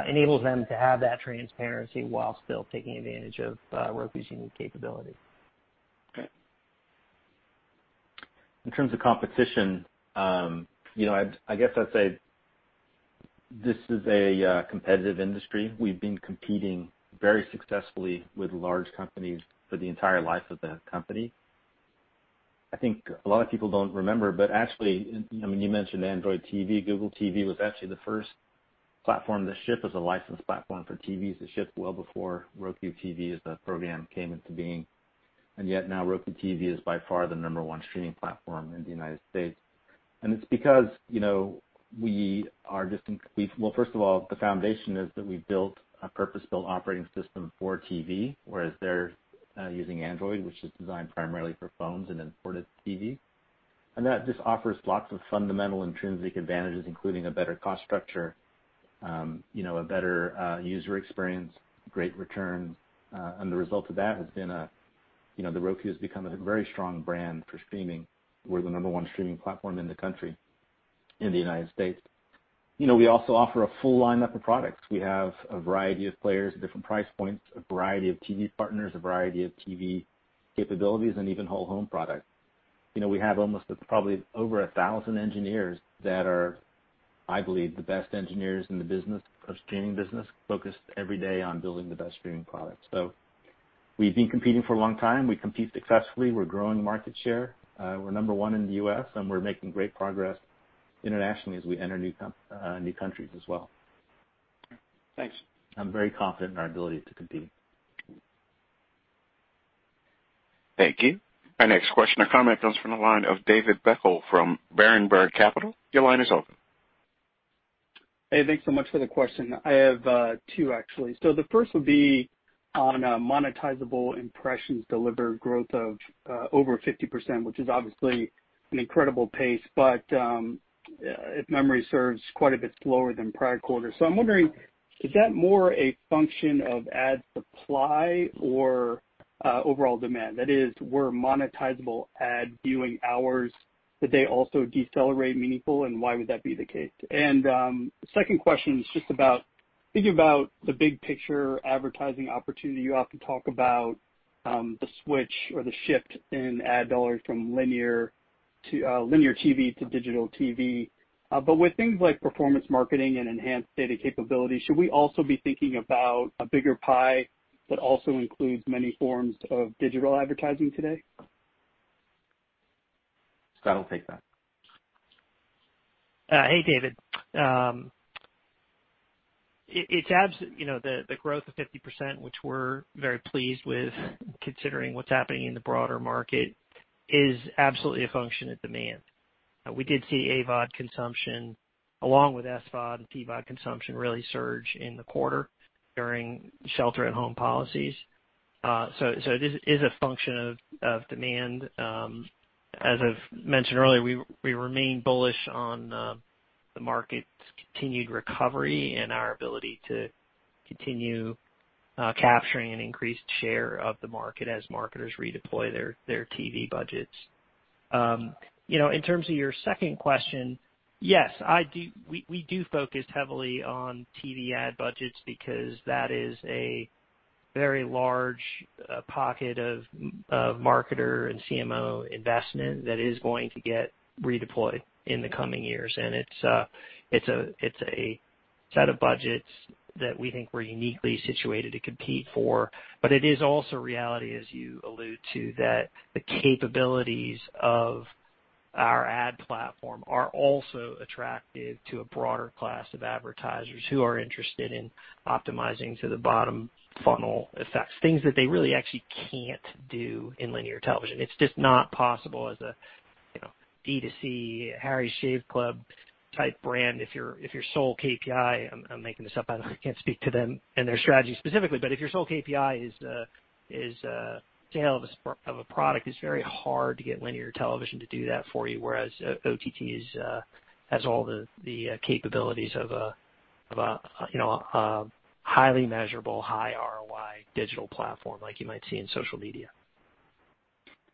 enables them to have that transparency while still taking advantage of Roku's unique capability. Okay. In terms of competition, I guess I'd say this is a competitive industry. We've been competing very successfully with large companies for the entire life of the company. I think a lot of people don't remember, but actually, you mentioned Android TV. Google TV was actually the first platform to ship as a licensed platform for TVs. It shipped well before Roku TV as a program came into being. Yet now Roku TV is by far the number one streaming platform in the United States. Well, first of all, the foundation is that we built a purpose-built operating system for TV, whereas they're using Android, which is designed primarily for phones and ported to TVs. That just offers lots of fundamental intrinsic advantages, including a better cost structure, a better user experience, great return. The result of that has been Roku has become a very strong brand for streaming. We're the number one streaming platform in the country, in the United States. We also offer a full lineup of products. We have a variety of players at different price points, a variety of TV partners, a variety of TV capabilities, and even whole home products. We have almost probably over 1,000 engineers that are, I believe, the best engineers in the business of streaming business, focused every day on building the best streaming products. We've been competing for a long time. We compete successfully. We're growing market share. We're number one in the U.S., and we're making great progress internationally as we enter new countries as well. Thanks. I'm very confident in our ability to compete. Thank you. Our next question or comment comes from the line of David Beckel from Berenberg Capital. Your line is open. Hey, thanks so much for the question. I have two, actually. The first would be on monetizable impressions delivered growth of over 50%, which is obviously an incredible pace, but if memory serves, quite a bit slower than prior quarters. I'm wondering, is that more a function of ad supply or overall demand? That is, were monetizable ad viewing hours, did they also decelerate meaningfully, and why would that be the case? Second question is just about thinking about the big picture advertising opportunity. You often talk about the switch or the shift in ad dollars from linear TV to digital TV. With things like performance marketing and enhanced data capability, should we also be thinking about a bigger pie that also includes many forms of digital advertising today? Scott will take that. Hey, David. The growth of 50%, which we're very pleased with, considering what's happening in the broader market, is absolutely a function of demand. We did see AVOD consumption along with SVOD and TVOD consumption really surge in the quarter during shelter at home policies. It is a function of demand. As I've mentioned earlier, we remain bullish on the market's continued recovery and our ability to continue capturing an increased share of the market as marketers redeploy their TV budgets. In terms of your second question, yes, we do focus heavily on TV ad budgets because that is a very large pocket of marketer and CMO investment that is going to get redeployed in the coming years. It's a set of budgets that we think we're uniquely situated to compete for. It is also reality, as you allude to, that the capabilities of our ad platform are also attractive to a broader class of advertisers who are interested in optimizing to the bottom funnel effects, things that they really actually can't do in linear television. It's just not possible as a D2C Harry's Shave Club type brand. I'm making this up, I can't speak to them and their strategy specifically, but if your sole KPI is the sale of a product, it's very hard to get linear television to do that for you, whereas OTT has all the capabilities of a highly measurable, high ROI digital platform like you might see in social media.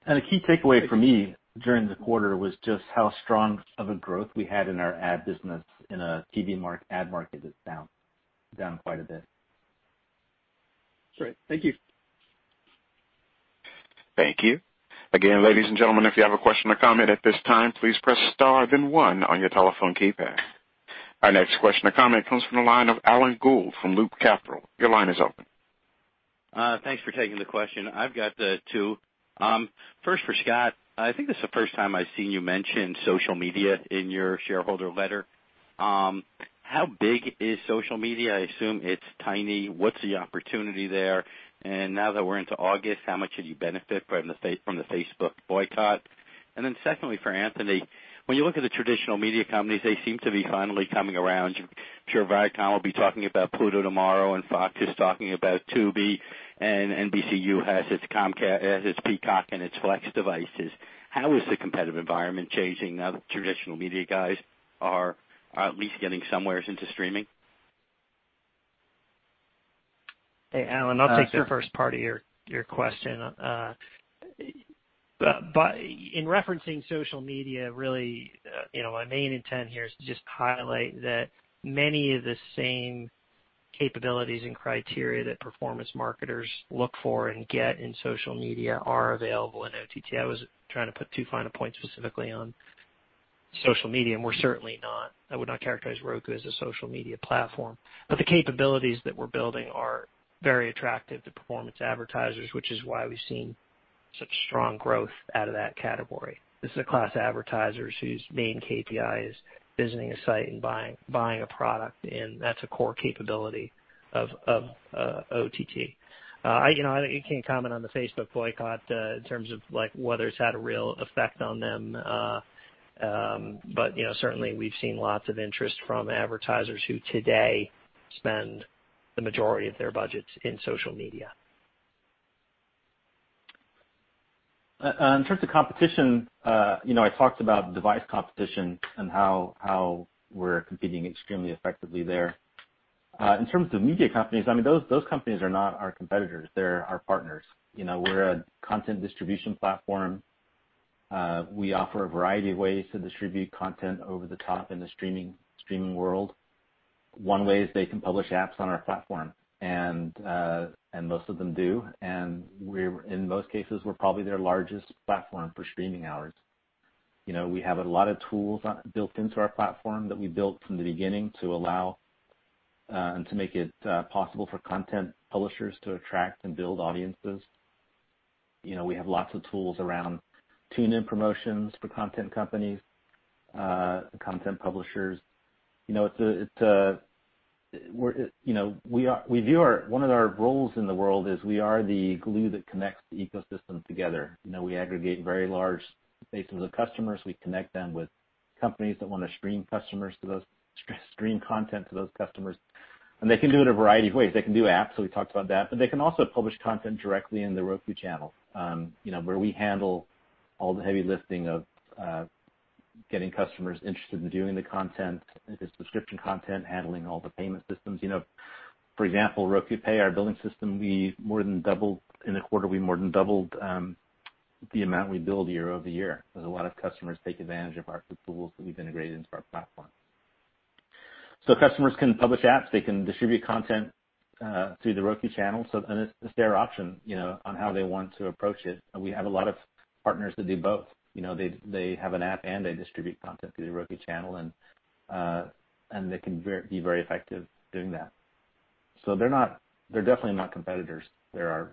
A key takeaway for me during the quarter was just how strong of a growth we had in our ad business in a TV ad market that's down quite a bit. Great. Thank you. Thank you. Again, ladies and gentlemen, if you have a question or comment at this time, please press star then one on your telephone keypad. Our next question or comment comes from the line of Alan Gould from Loop Capital. Your line is open. Thanks for taking the question. I've got two. First for Scott, I think this is the first time I've seen you mention social media in your shareholder letter. How big is social media? I assume it's tiny. What's the opportunity there? Now that we're into August, how much did you benefit from the Facebook boycott? Secondly, for Anthony, when you look at the traditional media companies, they seem to be finally coming around. I'm sure Viacom will be talking about Pluto tomorrow and Fox is talking about Tubi and NBCU has its Peacock and its Flex devices. How is the competitive environment changing now that traditional media guys are at least getting somewheres into streaming? Hey, Alan, I'll take the first part of your question. In referencing social media, really, my main intent here is to just highlight that many of the same capabilities and criteria that performance marketers look for and get in social media are available in OTT. I was trying to put too fine a point specifically on social media. I would not characterize Roku as a social media platform. The capabilities that we're building are very attractive to performance advertisers, which is why we've seen such strong growth out of that category. This is a class of advertisers whose main KPI is visiting a site and buying a product. That's a core capability of OTT. I can't comment on the Facebook boycott in terms of whether it's had a real effect on them. Certainly we've seen lots of interest from advertisers who today spend the majority of their budgets in social media. In terms of competition, I talked about device competition and how we're competing extremely effectively there. In terms of media companies, those companies are not our competitors. They're our partners. We're a content distribution platform. We offer a variety of ways to distribute content over the top in the streaming world. One way is they can publish apps on our platform, and most of them do. In most cases, we're probably their largest platform for streaming hours. We have a lot of tools built into our platform that we built from the beginning to allow and to make it possible for content publishers to attract and build audiences. We have lots of tools around tune-in promotions for content companies, content publishers. One of our roles in the world is we are the glue that connects the ecosystem together. We aggregate very large bases of customers. We connect them with companies that want to stream content to those customers, and they can do it a variety of ways. They can do apps, so we talked about that, but they can also publish content directly in The Roku Channel where we handle all the heavy lifting of getting customers interested in doing the content, if it's subscription content, handling all the payment systems. For example, Roku Pay, our billing system, in the quarter, we more than doubled the amount we billed year-over-year. There's a lot of customers take advantage of our tools that we've integrated into our platform. Customers can publish apps, they can distribute content through The Roku Channel. It's their option on how they want to approach it. We have a lot of partners that do both. They have an app and they distribute content through The Roku Channel, and they can be very effective doing that. They're definitely not competitors. They're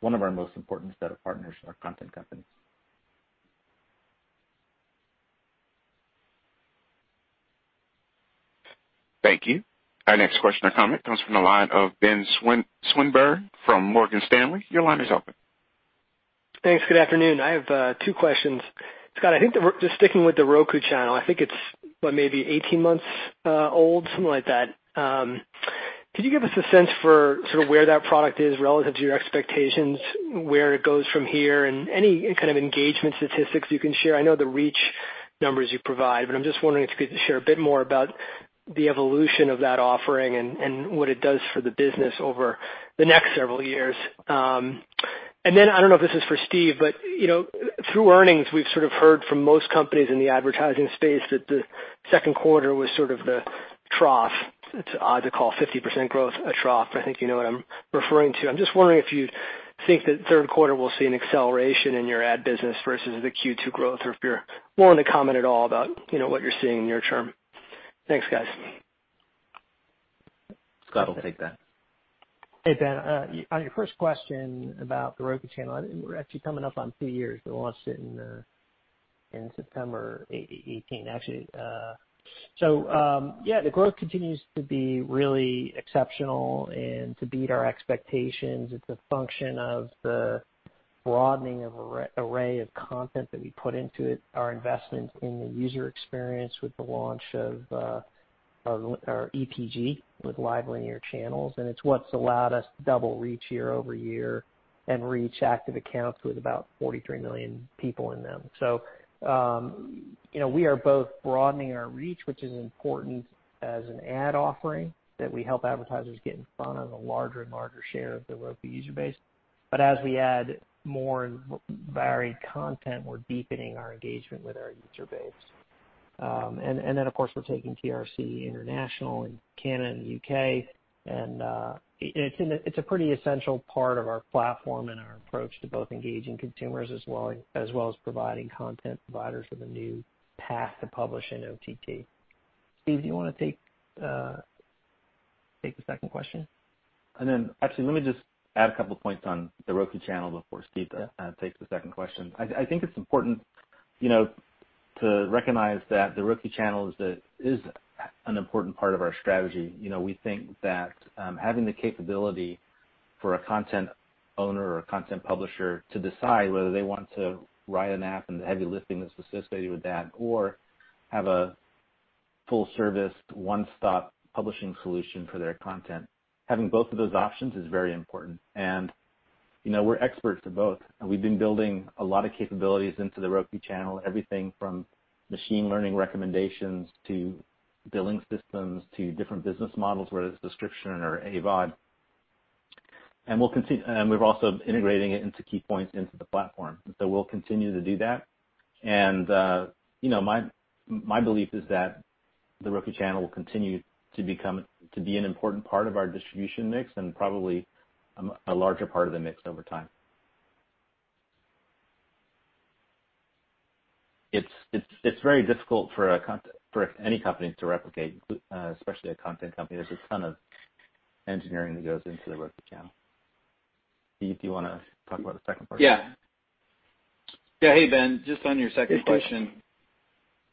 one of our most important set of partners, our content companies. Thank you. Our next question or comment comes from the line of Ben Swinburne from Morgan Stanley. Your line is open. Thanks. Good afternoon. I have two questions. Scott, I think just sticking with The Roku Channel, I think it's maybe 18 months old, something like that. Could you give us a sense for sort of where that product is relative to your expectations, where it goes from here, and any kind of engagement statistics you can share? I know the reach numbers you provide, but I'm just wondering if you could share a bit more about the evolution of that offering and what it does for the business over the next several years. I don't know if this is for Steve, but through earnings, we've sort of heard from most companies in the advertising space that the second quarter was sort of the trough. It's odd to call 50% growth a trough, but I think you know what I'm referring to. I'm just wondering if you think that the third quarter will see an acceleration in your ad business versus the Q2 growth, or if you're willing to comment at all about what you're seeing near-term? Thanks, guys. Scott will take that. Hey, Ben. On your first question about The Roku Channel, we're actually coming up on two years. We launched it in September 18, actually. Yeah, the growth continues to be really exceptional and to beat our expectations. It's a function of the broadening of array of content that we put into it, our investment in the user experience with the launch of our EPG with live linear channels. It's what's allowed us to double reach year-over-year and reach active accounts with about 43 million people in them. We are both broadening our reach, which is important as an ad offering, that we help advertisers get in front of a larger and larger share of The Roku user base. As we add more varied content, we're deepening our engagement with our user base. Of course, we're taking TRC international in Canada and the U.K., and it's a pretty essential part of our platform and our approach to both engaging consumers, as well as providing content providers with a new path to publish in OTT. Steve, do you want to take the second question? Actually, let me just add a couple of points on The Roku Channel before Steve takes the second question. I think it's important to recognize that The Roku Channel is an important part of our strategy. We think that having the capability for a content owner or a content publisher to decide whether they want to write an app and the heavy lifting that's associated with that, or have a full-service, one-stop publishing solution for their content. Having both of those options is very important. We're experts in both, and we've been building a lot of capabilities into The Roku Channel, everything from machine learning recommendations to billing systems to different business models, whether it's subscription or AVOD. We're also integrating it into key points into the platform. We'll continue to do that. My belief is that The Roku Channel will continue to be an important part of our distribution mix and probably a larger part of the mix over time. It's very difficult for any company to replicate, especially a content company. There's a ton of engineering that goes into The Roku Channel. Steve, do you want to talk about the second part? Yeah. Hey, Ben, just on your second question. Hey, Steve.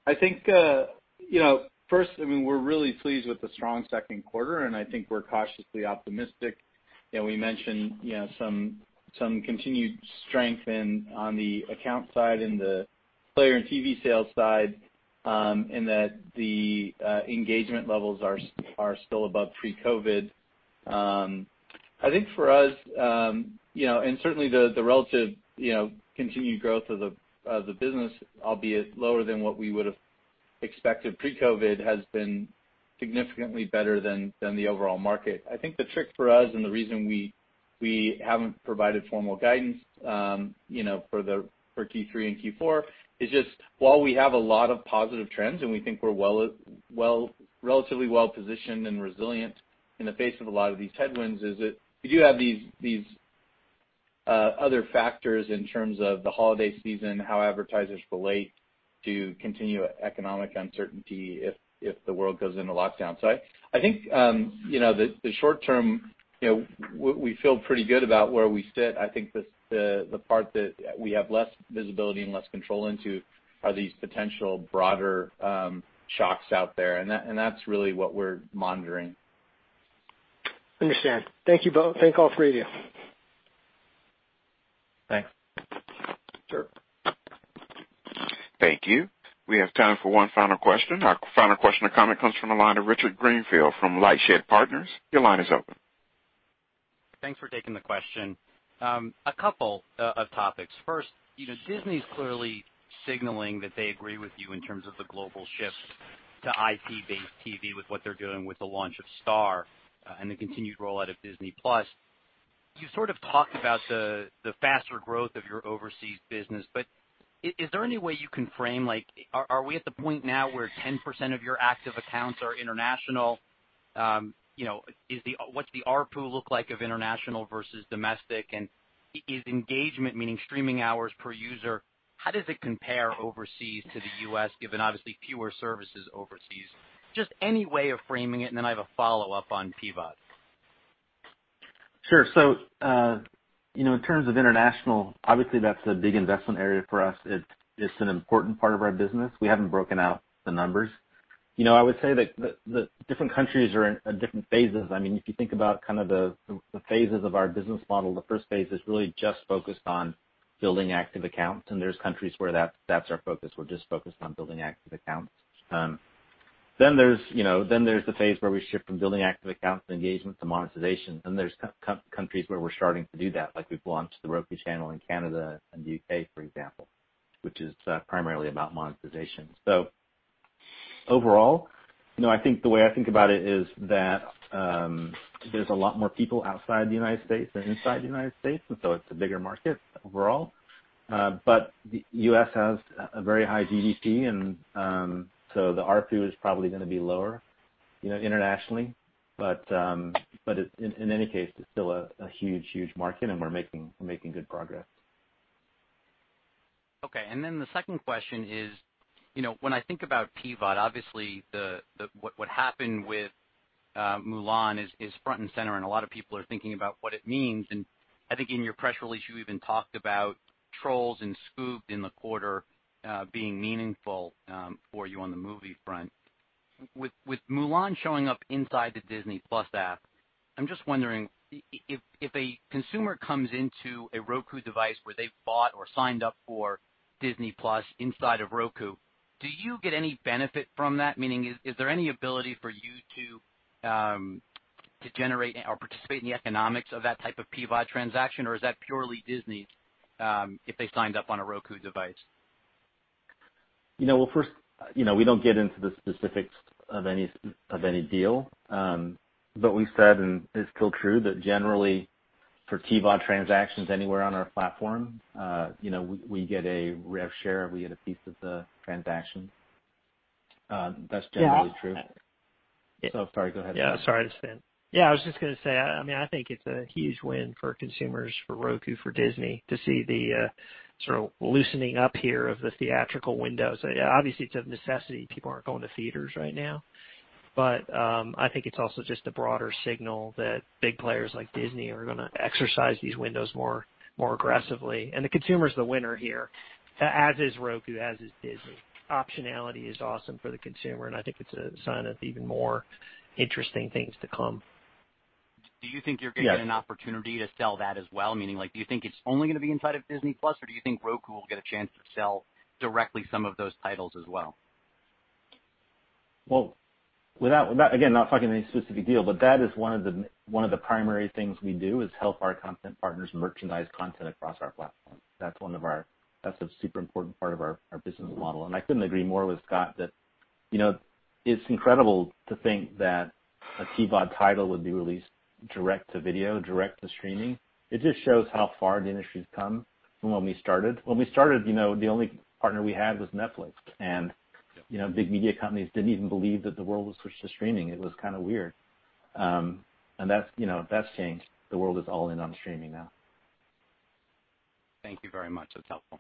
I think first, we're really pleased with the strong second quarter, and I think we're cautiously optimistic. We mentioned some continued strength on the account side and the player and TV sales side, and that the engagement levels are still above pre-COVID. I think for us, and certainly the relative continued growth of the business, albeit lower than what we would've expected pre-COVID, has been significantly better than the overall market. I think the trick for us and the reason we haven't provided formal guidance for Q3 and Q4 is just while we have a lot of positive trends and we think we're relatively well-positioned and resilient in the face of a lot of these headwinds, is that we do have these other factors in terms of the holiday season, how advertisers relate to continued economic uncertainty if the world goes into lockdown. I think the short term, we feel pretty good about where we sit. I think the part that we have less visibility and less control into are these potential broader shocks out there. That's really what we're monitoring. Understand. Thank you both. Thank all three of you. Thanks. Sure. Thank you. We have time for one final question. Our final question or comment comes from the line of Richard Greenfield from LightShed Partners. Your line is open. Thanks for taking the question. A couple of topics. First, Disney's clearly signaling that they agree with you in terms of the global shift to IP-based TV with what they're doing with the launch of Star and the continued rollout of Disney+. You sort of talked about the faster growth of your overseas business, but is there any way you can frame, like are we at the point now where 10% of your active accounts are international? What's the ARPU look like of international versus domestic? Is engagement, meaning streaming hours per user, how does it compare overseas to the U.S., given obviously fewer services overseas? Just any way of framing it. Then I have a follow-up on PVOD. Sure. In terms of international, obviously that's a big investment area for us. It's an important part of our business. We haven't broken out the numbers. I would say that the different countries are in different phases. If you think about the phases of our business model, the first phase is really just focused on building active accounts. There's countries where that's our focus. We're just focused on building active accounts. There's the phase where we shift from building active accounts, to engagement, to monetization. There's countries where we're starting to do that. Like we've launched The Roku Channel in Canada and the U.K., for example, which is primarily about monetization. Overall, the way I think about it is that there's a lot more people outside the United States than inside the United States, it's a bigger market overall. The U.S. has a very high GDP, and so the ARPU is probably going to be lower internationally. In any case, it's still a huge market and we're making good progress. The second question is, when I think about PVOD, obviously what happened with "Mulan" is front and center, and a lot of people are thinking about what it means. I think in your press release, you even talked about "Trolls" and "Scoob!" in the quarter being meaningful for you on the movie front. With "Mulan" showing up inside the Disney+ app, I'm just wondering if a consumer comes into a Roku device where they've bought or signed up for Disney+ inside of Roku, do you get any benefit from that? Meaning, is there any ability for you to generate or participate in the economics of that type of PVOD transaction, or is that purely Disney's, if they signed up on a Roku device? Well, first, we don't get into the specifics of any deal. We've said, and it's still true, that generally for PVOD transactions anywhere on our platform, we get a rev share. We get a piece of the transaction. That's generally true. Yeah. sorry, go ahead. Sorry to step in. I was just going to say, I think it's a huge win for consumers, for Roku, for Disney, to see the sort of loosening up here of the theatrical window. Obviously it's a necessity. People aren't going to theaters right now. I think it's also just a broader signal that big players like Disney are going to exercise these windows more aggressively. The consumer's the winner here, as is Roku, as is Disney. Optionality is awesome for the consumer, and I think it's a sign of even more interesting things to come. Do you think you're going to get an opportunity to sell that as well? Meaning, do you think it's only going to be inside of Disney+, or do you think Roku will get a chance to sell directly some of those titles as well? Well, again, not talking any specific deal, but that is one of the primary things we do, is help our content partners merchandise content across our platform. That's a super important part of our business model. I couldn't agree more with Scott that it's incredible to think that a PVOD title would be released direct to video, direct to streaming. It just shows how far the industry's come from when we started. When we started, the only partner we had was Netflix. Big media companies didn't even believe that the world would switch to streaming. It was kind of weird. That's changed. The world is all in on streaming now. Thank you very much. That's helpful.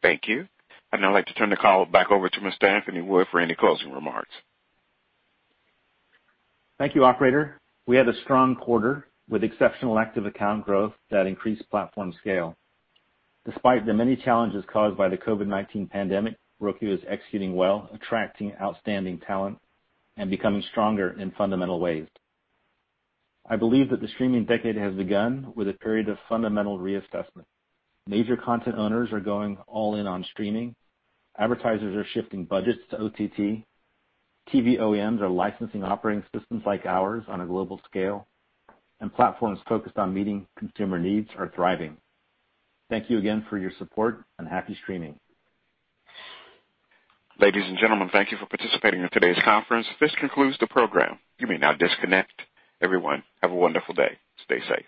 Thank you. I'd now like to turn the call back over to Mr. Anthony Wood for any closing remarks. Thank you, operator. We had a strong quarter with exceptional active account growth that increased platform scale. Despite the many challenges caused by the COVID-19 pandemic, Roku is executing well, attracting outstanding talent and becoming stronger in fundamental ways. I believe that the streaming decade has begun with a period of fundamental reassessment. Major content owners are going all in on streaming. Advertisers are shifting budgets to OTT. TV OEMs are licensing operating systems like ours on a global scale. Platforms focused on meeting consumer needs are thriving. Thank you again for your support, and happy streaming. Ladies and gentlemen, thank you for participating in today's conference. This concludes the program. You may now disconnect. Everyone, have a wonderful day. Stay safe.